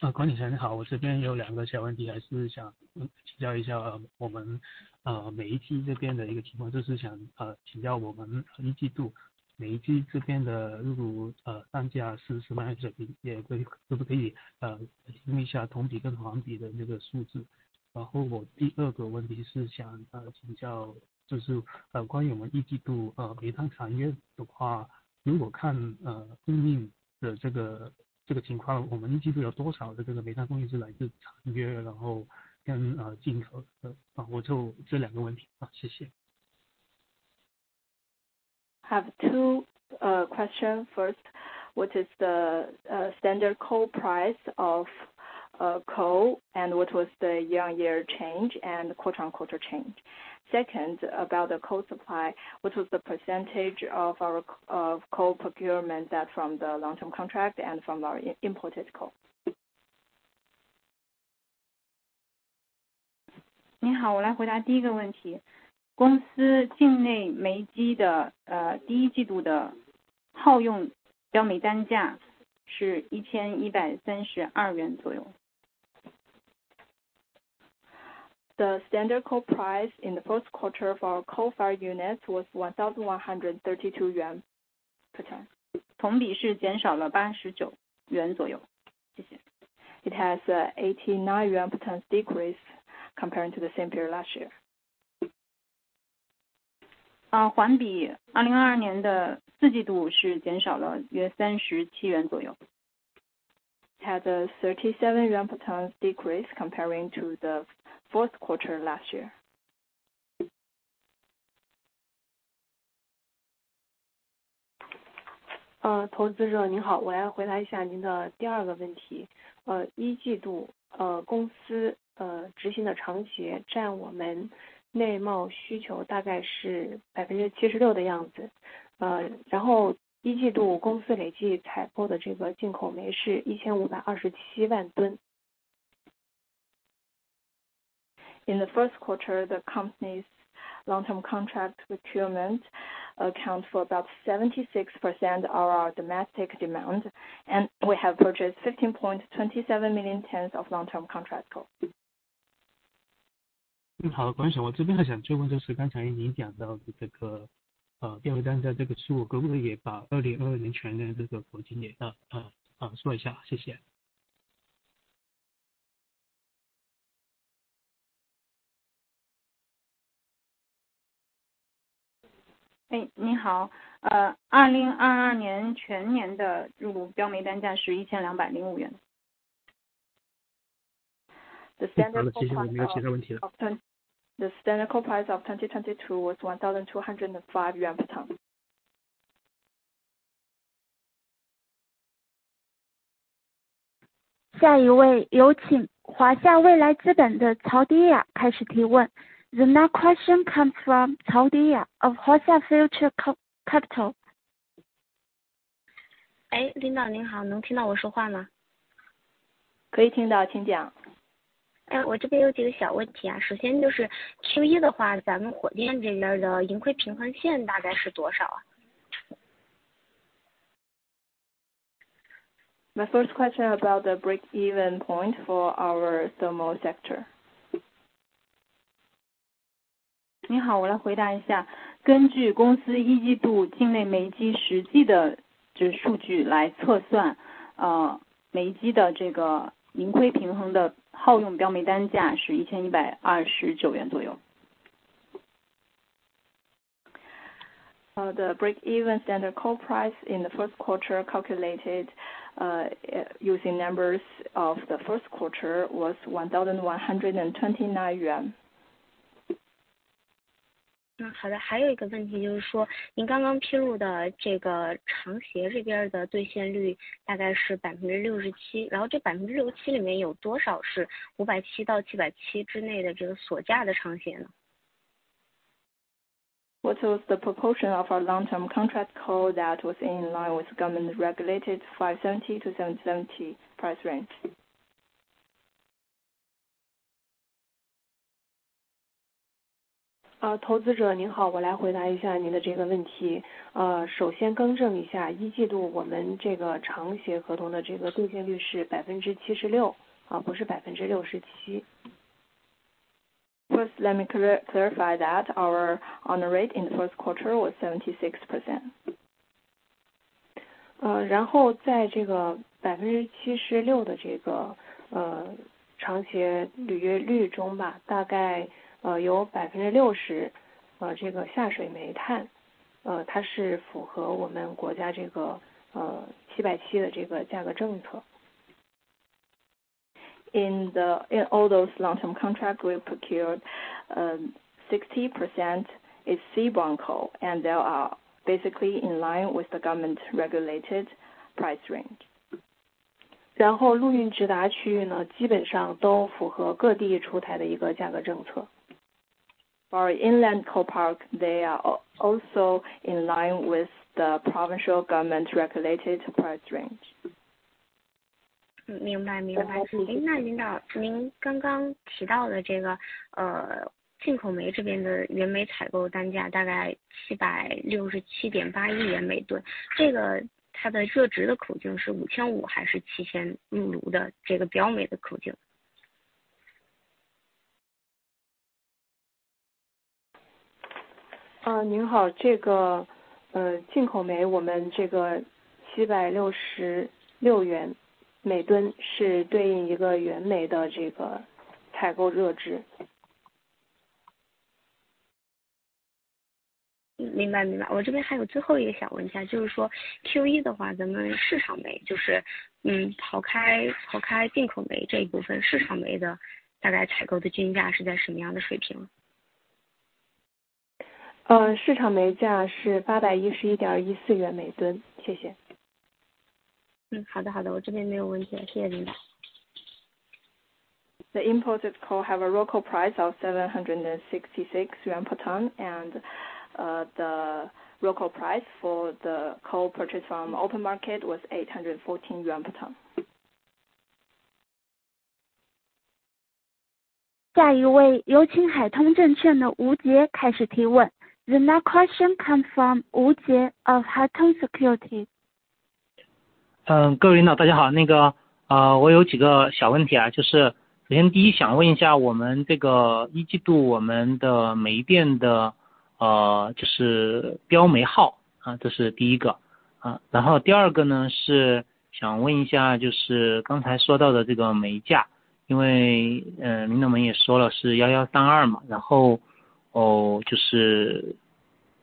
呃， 管理层你 好， 我这边有两个小问题还是想请教一下我 们， 呃， 每一季这边的一个情 况， 就是 想， 呃， 请教我们一季度每一季这边 的， 例 如， 呃， 单价是怎么样一个比 例， 可不可 以， 呃， 提供一下同比跟环比的这个数字。然后我第二个问题是想请 教， 就是关于我们一季 度， 呃， 煤炭产业的 话， 如果 看， 呃， 供应的这 个， 这个情 况， 我们一季度有多少的这个煤炭供应是来自长 约， 然后 跟， 呃， 进口的。好， 我就这两个问 题， 好， 谢谢。Have 2 question. First, what is the standard coal price of coal and what was the year-on-year change and quarter-on-quarter change? Second, about the coal supply, what was the % of our of coal procurement that from the long-term contract and from our imported coal? 您 好， 我来回答第一个问题。公司境内煤机 的， 呃， 第一季度的耗用标煤单价是一千一百三十二元左右。The standard coal price in the first quarter for our coal-fired units was 1,132 yuan per ton. 同比是减少了八十九元左 右， 谢谢。It has 89 yuan per ton decrease comparing to the same period last year. 环比2022 Q4 是减少了约 CNY 37左 右. It has a 37 yuan per ton decrease comparing to the fourth quarter last year. 呃， 投资者您 好， 我要回答一下您的第二个问题。呃， 一季 度， 呃， 公 司， 呃， 执行的长协占我们内贸需求大概是百分之七十六的样子。呃， 然后一季度公司累计采购的这个进口煤是一千五百二十七万吨。In the first quarter, the company's long-term contract procurement account for about 76% of our domestic demand, and we have purchased 15.27 million tons of long-term contract coal. 好 的， 管理 层， 我这边想就问就是刚才您讲到的这 个， 呃， 电煤单价这个数 据， 可不可以也把2022年全年的这个数据 也， 啊， 啊， 说一 下， 谢谢。你好 2022年全年的入炉标煤单价是 CNY 1,205. 好的接下来没有其他问题了。The standard coal price of 2022 was 1,205 yuan per ton. 下一位有请华夏未来资本的曹迪亚开始提 问. The next question comes from Cao Diya of Huaxia Future Capital. 诶领导您好能听到我说话 吗？ 可以听到请讲。哎我这边有几个小问题啊首先就是 Q1 的话咱们火电这边的盈亏平衡线大概是多少 啊？ My first question about the break-even point for our thermal sector. 你好我来回答一下根据公司一季度境内煤机实际的这个数据来测算呃煤机的这个盈亏平衡的耗用标煤单价是一千一百二十九元左右。The break-even standard coal price in the first quarter calculated using numbers of the first quarter was 1,129 yuan. 好的还有一个问题就是说您刚刚披露的这个长协这边的兑现率大概是 67% 这 67% 里面有多少是 570-770 之内的这个锁价的长协 呢？ What was the proportion of our long-term contract coal that was in line with government regulated 570-770 price range? 啊投资者您好我来回答一下您的这个问题呃首先更正一下一季度我们这个长协合同的这个兑现率是百分之七十六啊不是百分之六十七。First, let me clarify that our honor rate in the first quarter was 76%. 在这个 76% 的这个长协履约率中吧大概有 60% 这个下水煤炭它是符合我们国家这个770的这个价格政 策. In all those long-term contract we procured, 60% is seaborne coal, and they are basically in line with the government regulated price range. 陆运直达区域呢基本上都符合各地出台的一个价格政策。For inland coal park, they are also in line with the provincial government regulated price range. 明白明白。诶那领导您刚刚提到了这个呃进口煤这边的原煤采购单价大概七百六十七点八亿元每吨这个它的热值的口径是五千五还是七千入炉的这个标煤的口径。您好这个进口煤我们这个 CNY 766每吨是对应一个原煤的这个采购热 值. 明白明白我这边还有最后一个想问一下就是说 Q1 的话咱们市场煤就是刨开进口煤这一部分市场煤的大概采购的均价是在什么样的水平？嗯市场煤价是八百一十一点一四元每吨。谢谢。好的好的我这边没有问题了谢谢 领导. The imported coal have a local price of 766 yuan per ton and, the local price for the coal purchased from open market was 814 yuan per ton. 下一位有请海通证券的吴杰开始提问。The next question comes from Wu Jie of Haitong Securities. 嗯各位领导大家好那个呃我有几个小问题啊就是首先第一想问一下我们这个一季度我们的煤电的呃就是标煤耗啊这是第一个啊然后第二个呢是想问一下就是刚才说到的这个煤价因为呃领导们也说了是幺幺三二嘛然后哦就是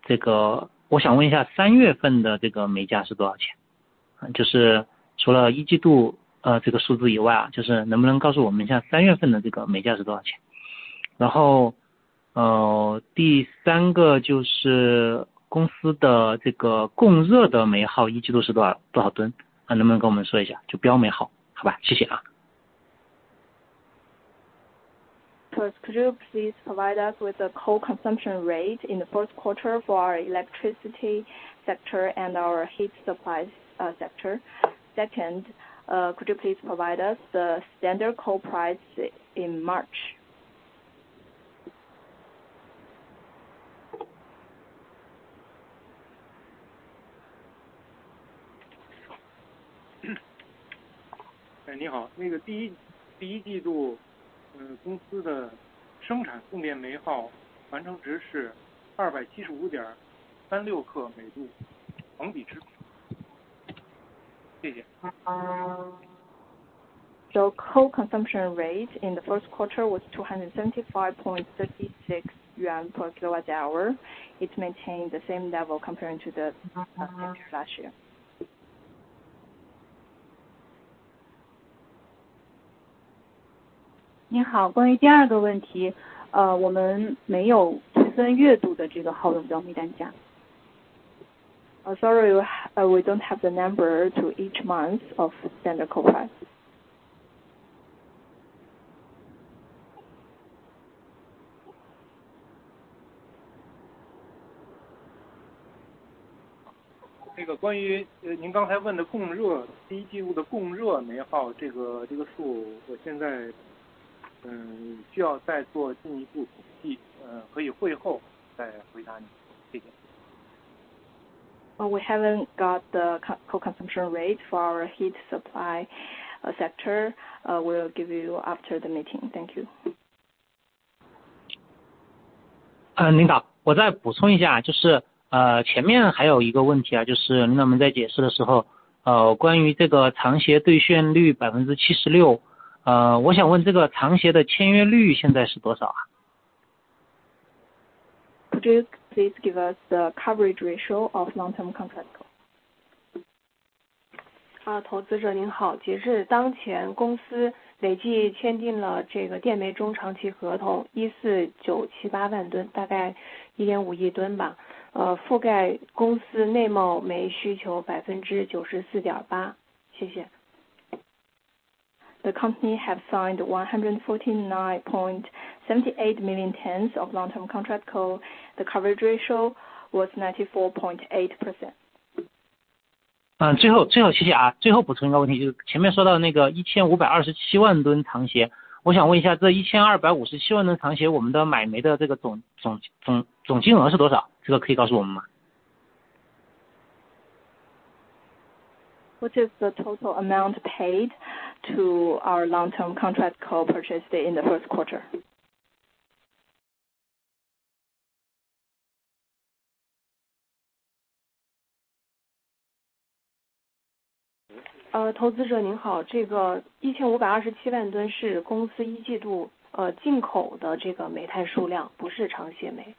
这个我想问一下三月份的这个煤价是多少 钱？ 就是除了一季度呃这个数据以外啊就是能不能告诉我们一下三月份的这个煤价是多少 钱？ 然后呃第三个就是公司的这个供热的煤耗一季度是多 少， 多少 吨？ 能不能跟我们说一下就标煤耗。好吧谢谢啊。First, could you please provide us with a coal consumption rate in the first quarter for our electricity sector and our heat supply, sector? Second, could you please provide us the standard coal price in March? 哎你好那个第 一， 第一季度嗯公司的生产供电煤耗完成值是二百七十五点三六克每 度， 同比持平。Thank you. The coal consumption rate in the first quarter was 275.36 yuan per kilowatt-hour, it maintained the same level comparing to the last year. 你 好， 关于第二个问 题， 呃， 我们没有细分月度的这个耗煤标煤单价。sorry, we don't have the number to each month of standard coal price. 关于您刚才问的供 热， 第一季度的供热煤耗这 个， 这个 数， 我现在需要再做进一步统 计， 可以会后再回答你。谢谢。We haven't got the coal consumption rate for heat supply sector, we'll give you after the meeting. Thank you. 您 好， 我再补充一 下， 就 是， 前面还有一个问 题， 就是领导们在解释的时 候， 关于这个长协兑现率 76%， 我想问这个长协的签约率现在是多 少？ Could you please give us the coverage ratio of long-term contract? 啊， 投资者您 好， 截至当 前， 公司累计签订了这个电煤中长期合 同， 一四九七八万 吨， 大概一点五亿吨 吧， 呃， 覆盖公司内贸煤需求百分之九十四点八。谢谢。The company have signed 149.78 million tons of long-term contract coal. The coverage ratio was 94.8%. 嗯， 最 后， 最 后， 谢谢啊。最后补充一个问 题， 就是前面说到那个一千五百二十七万吨长 协， 我想问一 下， 这一千二百五十七万吨长 协， 我们的买煤的这个 总， 总， 总， 总金额是多 少？ 这个可以告诉我们 吗？ What is the total amount paid to our long-term contract coal purchased in the first quarter? 呃， 投资者您 好， 这个一千五百二十七万吨是公司一季 度， 呃， 进口的这个煤炭数 量， 不是长协煤。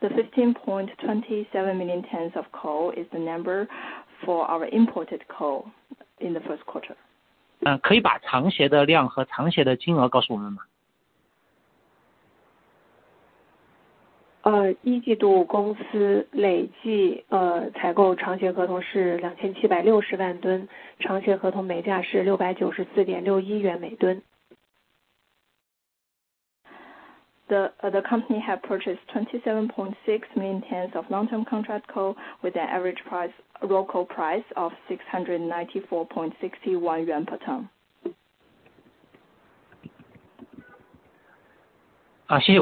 The 15.27 million tons of coal is the number for our imported coal in the first quarter. 可以把长协的量和长协的金额告诉我们 吗？ 一季度公司累计采购长协合同是 27,600,000 tons， 长协合同煤价是 CNY 694.61 per ton. The company have purchased 27.6 million tons of long-term contract coal with an average price, local price of 694.61 yuan per ton. 谢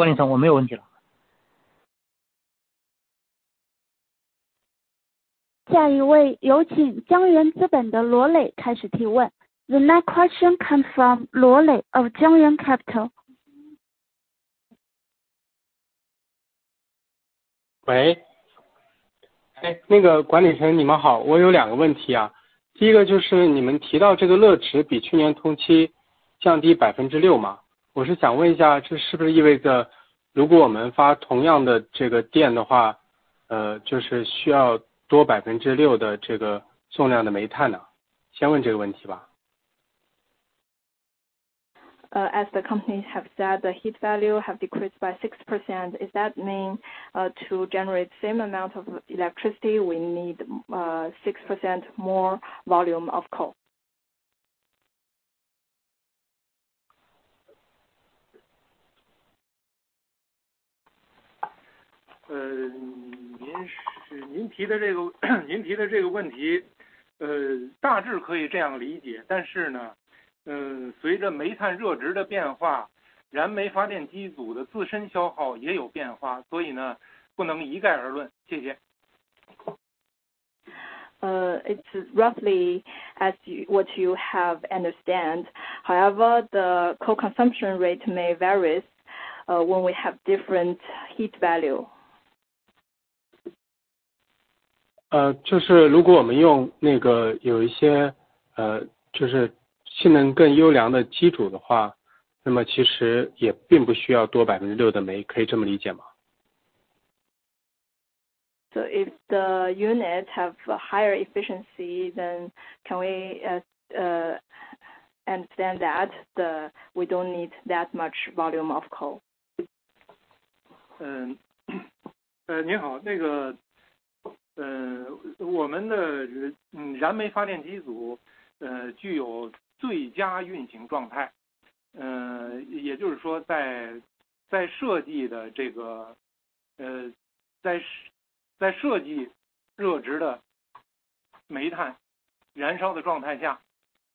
谢管理 层， 我没有问题了。下一位有请江银资本的罗磊开始提问。The next question come from 罗磊 of 江银 Capital. 喂， 诶， 那个管理层你们 好， 我有两个问题啊。第一个就是你们提到这个热值比去年同期降低百分之六 嘛， 我是想问一 下， 这是不是意味着如果我们发同样的这个电的 话， 呃， 就是需要多百分之六的这个重量的煤炭 呢？ 先问这个问题吧。As the company have said the heat value have decreased by 6%. Is that mean, to generate same amount of electricity we need 6% more volume of coal? 您提的这个问 题， 大致可以这样理 解， 随着煤炭热值的变 化， 燃煤发电机组的自身消耗也有变 化， 不能一概而论。谢谢。it's roughly as you understand. The Coal consumption rate may vary, when we have different heat value. 就是如果我们用那个有一 些， 就是性能更优良的机组的 话， 那么其实也并不需要多 6% 的 煤， 可以这么理解 吗？ If the unit have a higher efficiency, can we understand that we don't need that much volume of coal. 您 好， 我们的燃煤发电机组具有最佳运行状 态， 也就是说在设计的这个在设计热值的煤炭燃烧的状态 下，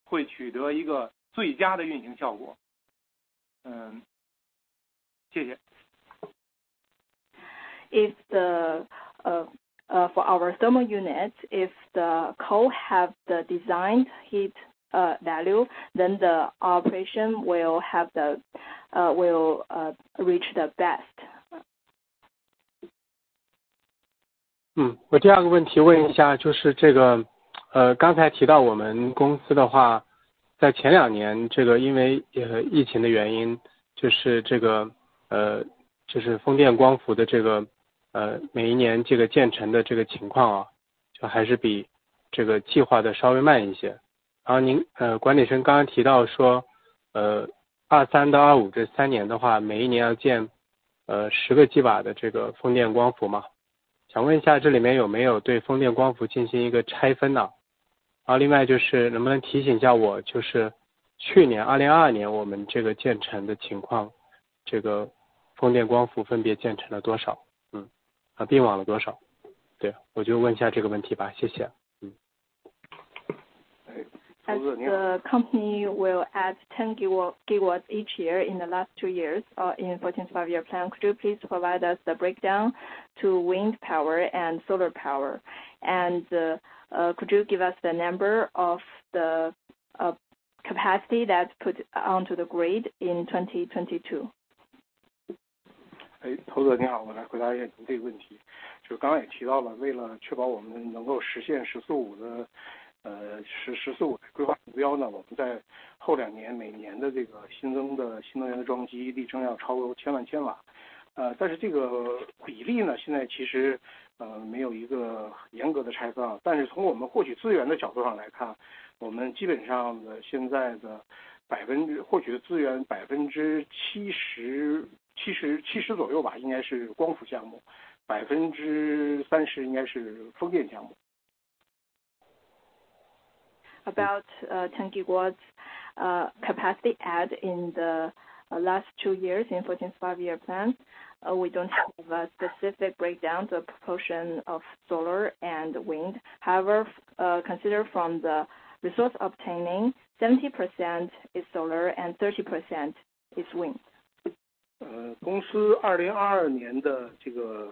会取得一个最佳的运行效果。谢谢。If the for our thermal unit, if the coal have the designed heat value, then the operation will reach the best. 我 second 个问题问一 下， 就是这 个， 刚才提到我们公司的 话， 在前 two 年， 这个因为疫情的原 因， 就是这 个， 就是风电光伏的这 个， 每一年这个建成的这个情 况， 就还是比这个计划的稍微慢一些。您， 管理层刚刚提到 说， 2023到2025这 three 年的 话， 每一年要 建， 10 GW 的这个风电光伏 吗？ 想问一下这里面有没有对风电光伏进行一个拆分 呢？ 另外就是能不能提醒一下 我， 就是去年2022年我们这个建成的情 况， 这个风电光伏分别建成了多 少？ 并网了多 少？ 对， 我就问一下这个问题吧，谢谢。The company will add 10 gigawatts each year in the last two years in 14th Five-Year Plan. Could you please provide us the breakdown to wind power and solar power? Could you give us the number of the capacity that put onto the grid in 2022? 投资人你 好， 我来回答一下你这个问题。就刚刚也提到 了， 为了确保我们能够实现十四五 的， 呃， 十， 十四五的规划目标 呢， 我们在后两年每年的这个新增的新能源的装机力争要超过千万千瓦。呃， 但是这个比例 呢， 现在其 实， 呃， 没有一个严格的拆分 啊， 但是从我们获取资源的角度上来 看， 我们基本上的现在的百分 之， 获取的资源百分之七 十， 七 十， 七十左右 吧， 应该是光伏项 目， 百分之三十应该是风电项目。About 10 gigawatts, capacity add in the last two years in 14th Five-Year Plan, we don't have a specific breakdown the proportion of solar and wind. However, consider from the resource obtaining 70% is solar and 30% is wind. 公司 2022年的这个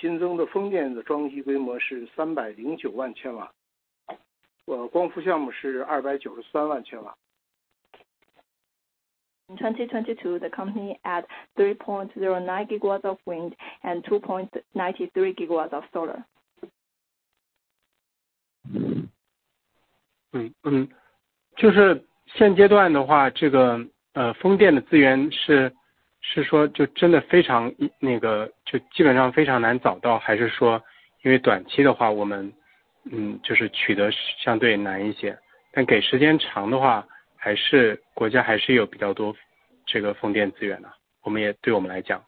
新增的风电的装机规模是 3.09 million kW， 光伏项目是 2.93 million kW。In 2022 the company added 3.09 gigawatts of wind and 2.93 gigawatts of solar. 现阶段的 话， 这个风电的资源是说就真的非常就基本上非常难找 到， 还是说因为短期的 话， 我们就是取得相对难一 些， 但给时间长的 话， 国家有比较多这个风电资源 呢， 我们 也， 对我们来 讲？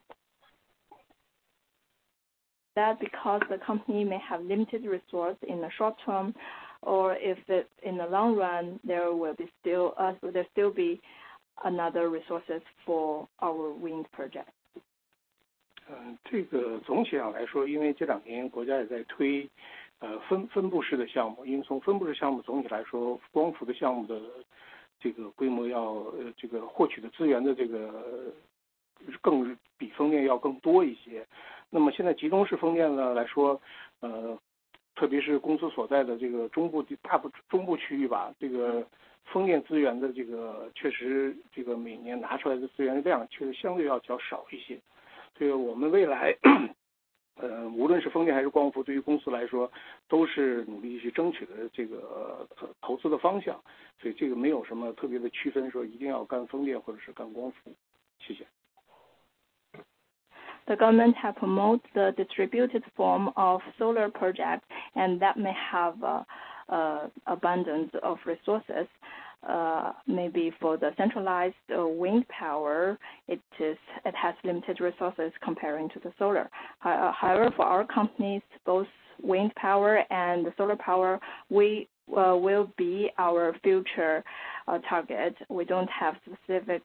Because the company may have limited resource in the short term or if it in the long run there will be still, will there still be another resources for our wind project? 嗯， 这个总体上来 说， 因为这两年国家也在 推， 呃， 分， 分布式的项 目， 因为从分布式项目总体来 说， 光伏的项目的这个规模 要， 呃， 这个获取的资源的这 个， 更 是， 比风电要更多一些。那么现在集中式风电呢来 说， 呃， 特别是公司所在的这个中 部， 大 部， 中部区域 吧， 这个风电资源的这个确 实， 这个每年拿出来的资源量确实相对要较少一些。这个我们未 来， 嗯， 无论是风电还是光 伏， 对于公司来说都是努力去争取的这个投资的方 向， 所以这个没有什么特别的区 分， 说一定要干风电或者是干光伏。谢谢。The government have promote the distributed form of solar project and that may have a abundance of resources, maybe for the centralized wind power it has limited resources comparing to the solar. However, for our companies both wind power and solar power we will be our future target. We don't have specific,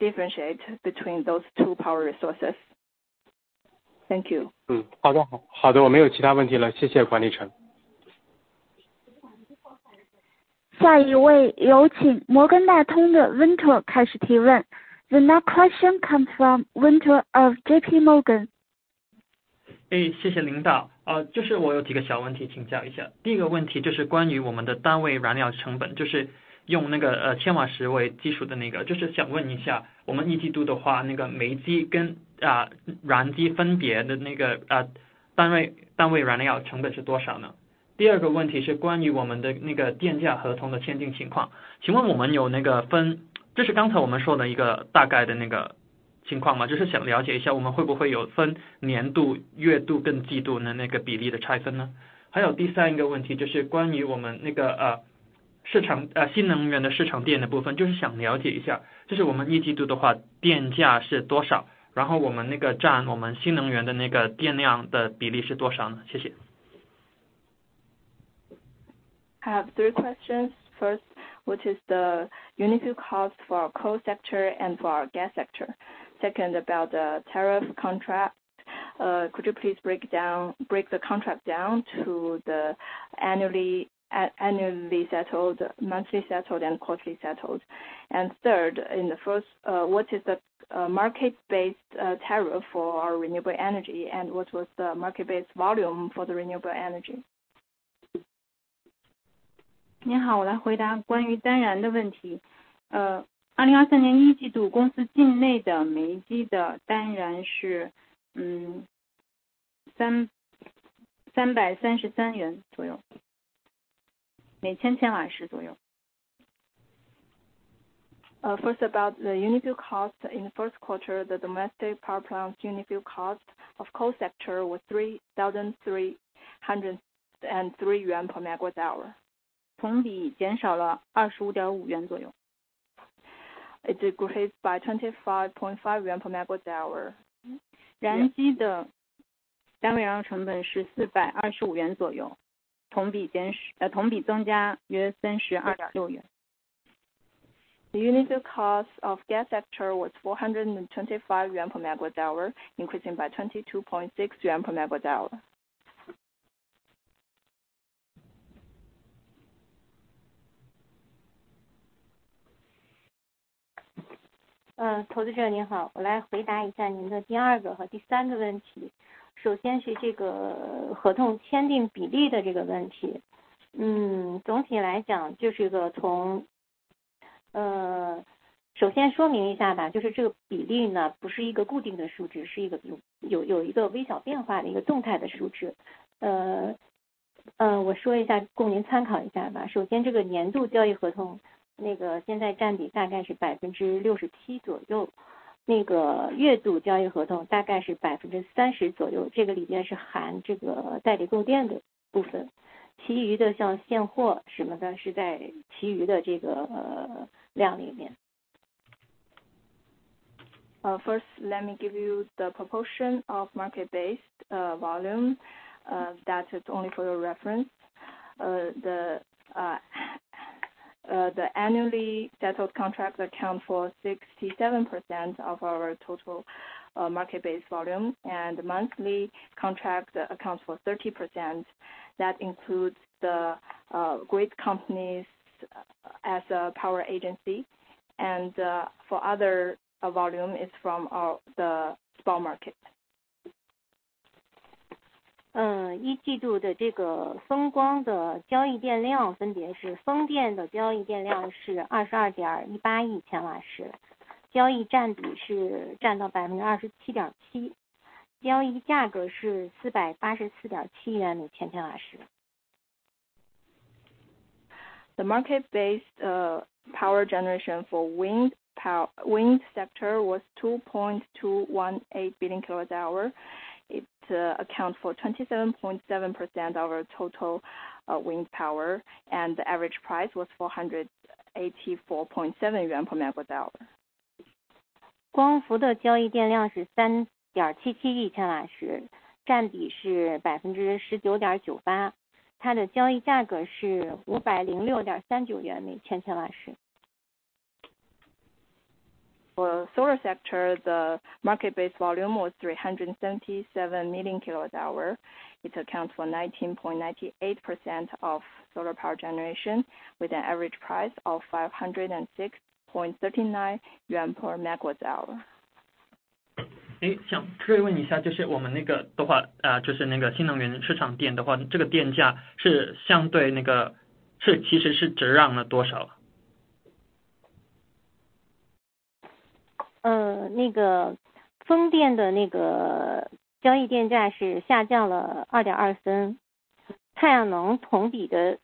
differentiate between those two power resources. Thank you. 嗯， 好 的， 好 的， 我没有其他问题了。谢谢管理层。下一位有请摩根大通的 Winter 开始提问。The next question comes from Winter of JP Morgan. 哎， 谢谢领导。呃， 就是我有几个小问题请教一 下， 第一个问题就是关于我们的单位燃料成 本， 就是用那 个， 呃， 千瓦时为基础的那 个， 就是想问一下我们一季度的 话， 那个煤机 跟， 啊， 燃机分别的那 个， 啊， 单 位， 单位燃料成本是多少呢？第二个问题是关于我们的那个电价合同的签订情 况， 请问我们有那个 分， 这是刚才我们说的一个大概的那个情况 嘛， 就是想了解一下我们会不会有分年度、月度跟季度的那个比例的拆分 呢？ 还有第三个问题就是关于我们那 个， 呃， 市 场， 呃， 新能源的市场电的部 分， 就是想了解一 下， 就是我们一季度的话电价是多 少， 然后我们那个占我们新能源的那个电量的比例是多少 呢？ 谢谢。I have 3 questions. First, which is the unit cost for coal sector and for gas sector. Second, about the tariff contract, could you please break down the contract down to the annually settled, monthly settled and quarterly settled. Third, in the first, what is the market-based tariff for our renewable energy and what was the market-based volume for the renewable energy? 您 好， 我来回答关于单燃的问题。2023年一季 度， 公司境内的煤机的单燃是 CNY 333左 右， 每千瓦时左右。First about the unit fuel cost in first quarter, the domestic power plant unit fuel cost of coal sector was CNY 3,303 per megawatt-hour. 同比减少了 CNY 25.5 左右。It decreased by CNY 25.5 per megawatt-hour. 燃机的单位燃料成本是 CNY 425左 右， 同比增加约 CNY 32.6。The unit fuel cost of gas sector was 425 yuan per megawatt-hour, increasing by 22.6 yuan per megawatt-hour. 投资者您 好， 我来回答一下您的第二个和第三个问题。首先是这个合同签订比例的这个问题。总体来 讲， 就是个 从， 首先说明一下 吧， 就是这个比例 呢， 不是一个固定的数 值， 是一个有一个微小变化的一个动态的数值。我说一 下， 供您参考一下吧。首先这个年度交易合同，那个现在占比大概是 67% 左 右， 那个月度交易合同大概是 30% 左 右， 这个里面是含这个代理供电的部 分， 其余的像现货什么 的， 是在其余的这个量里面。First let me give you the proportion of market-based volume, that is only for your reference. The annually settled contract account for 67% of our total market-based volume, and monthly contract accounts for 30% that includes the great companies as a power agency. For other volume is from our the spot market. 一季度的这个风光的交易电量分别是风电的交易电量是 2.218 亿千瓦 时， 交易占比是占到 27.7%， 交易价格是 484.7 CNY 每千千瓦时。The market-based power generation for wind sector was 2.218 billion kilowatt hour. It account for 27.7% of our total wind power. The average price was 484.7 yuan per megawatt-hour. 光伏的交易电量是三点七七亿千瓦 时， 占比是百分之十九点九八。它的交易价格是五百零六点三九元每千千瓦时。For solar sector, the market-based volume was 377 million kilowatt-hour. It accounts for 19.98% of solar power generation with an average price of 506.39 yuan per megawatt-hour. 想确认一 下， 就是那个新能源市场电的 话， 这个电价是相对那 个， 其实是折让了多少 了？ 那个风电的那个交易电价是下降了 CNY 0.022， 太阳能同比 的，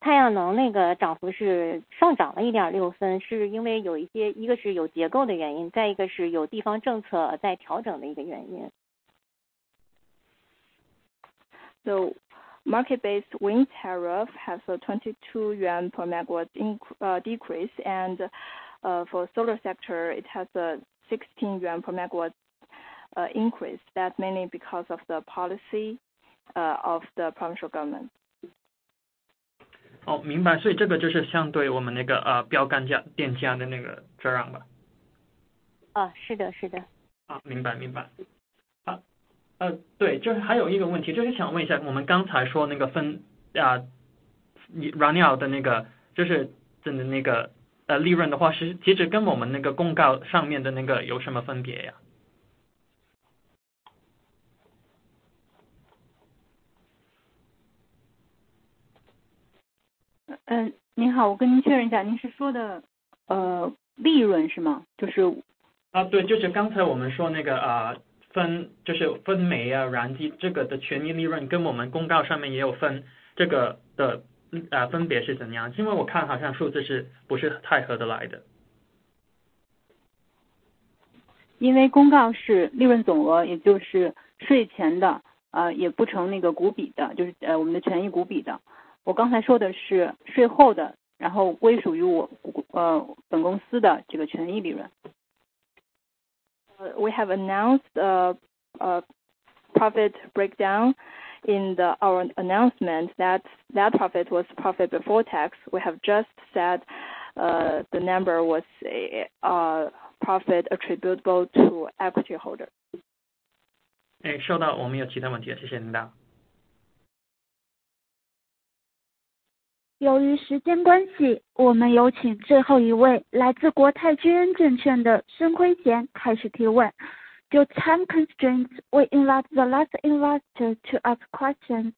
太阳能那个涨幅是上涨了 CNY 0.016， 是因为有一 些， 一个是有结构的原 因， 再一个是有地方政策在调整的一个原因。market-based wind tariff has a 22 yuan per megawatt decrease. for solar sector, it has a 16 yuan per megawatt increase that mainly because of the policy of the provincial government. 哦， 明 白， 所以这个就是相对于我们那 个， 呃， 标杆价电价的那个折让吧。啊， 是 的， 是的。啊， 明 白， 明白。好， 呃， 对， 就是还有一个问 题， 就是想问一 下， 我们刚才说那个 分， 啊， 你 run out 的那 个， 就是的那 个， 呃， 利润的 话， 是其实跟我们那个公告上面的那个有什么分别 呀？ 您 好， 我跟您确认一 下， 您是说 的， 利润是 吗？ 啊， 对， 就是刚才我们说那 个， 啊， 分， 就是分煤 啊， 燃机这个的权益利 润， 跟我们公告上面也有 分， 这个的， 呃， 分别是怎 样， 因为我看好像数字是不是太合得来的。因为公告是利润总 额， 也就是税前 的， 也不成那个股比 的， 就 是， 我们的权益股比的。我刚才说的是税后 的， 然后归属于 我， 本公司的这个权益利润。We have announced, profit breakdown in the our announcement that profit was profit before tax. We have just said, the number was, profit attributable to equity holder. 诶， 收 到， 我没有其他问题 了， 谢谢您哒。由于时间关 系， 我们有请最后一位来自国泰君安证券的孙辉贤开始提问。Due time constraints, we invite the last investor to ask question.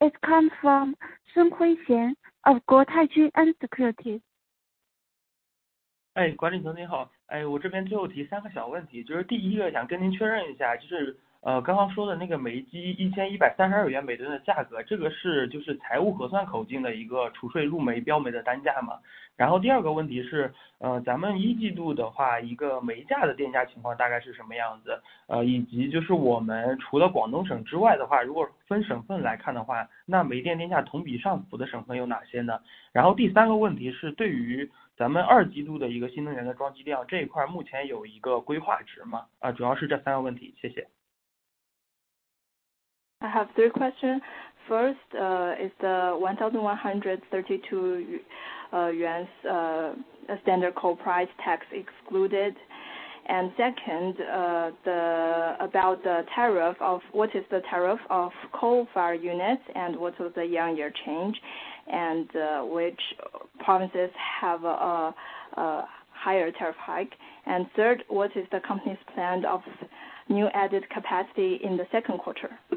It comes from 孙辉贤 of 国泰君安 Securities. 哎， 管理层您好。哎， 我这边最后提三个小问 题， 就是第一个想跟您确认一 下， 就 是， 呃， 刚刚说的那个煤机一千一百三十二元每吨的价 格， 这个是就是财务核算口径的一个除税入煤标煤的单价 吗？ 然后第二个问题 是， 呃， 咱们一季度的 话， 一个煤价的电价情况大概是什么样 子， 呃， 以及就是我们除了广东省之外的 话， 如果分省份来看的 话， 那煤电电价同比上浮的省份有哪些 呢？ 然后第三个问题是对于咱们二季度的一个新能源的装机量这一块目前有一个规划值 吗？ 啊， 主要是这三个问 题， 谢谢。I have three questions. First, is the 1,132 yuan standard coal price tax excluded? Second, what is the tariff of coal fire unit and what was the year-over-year change and which provinces have a higher tariff hike? Third, what is the company's plan of new added capacity in the second quarter?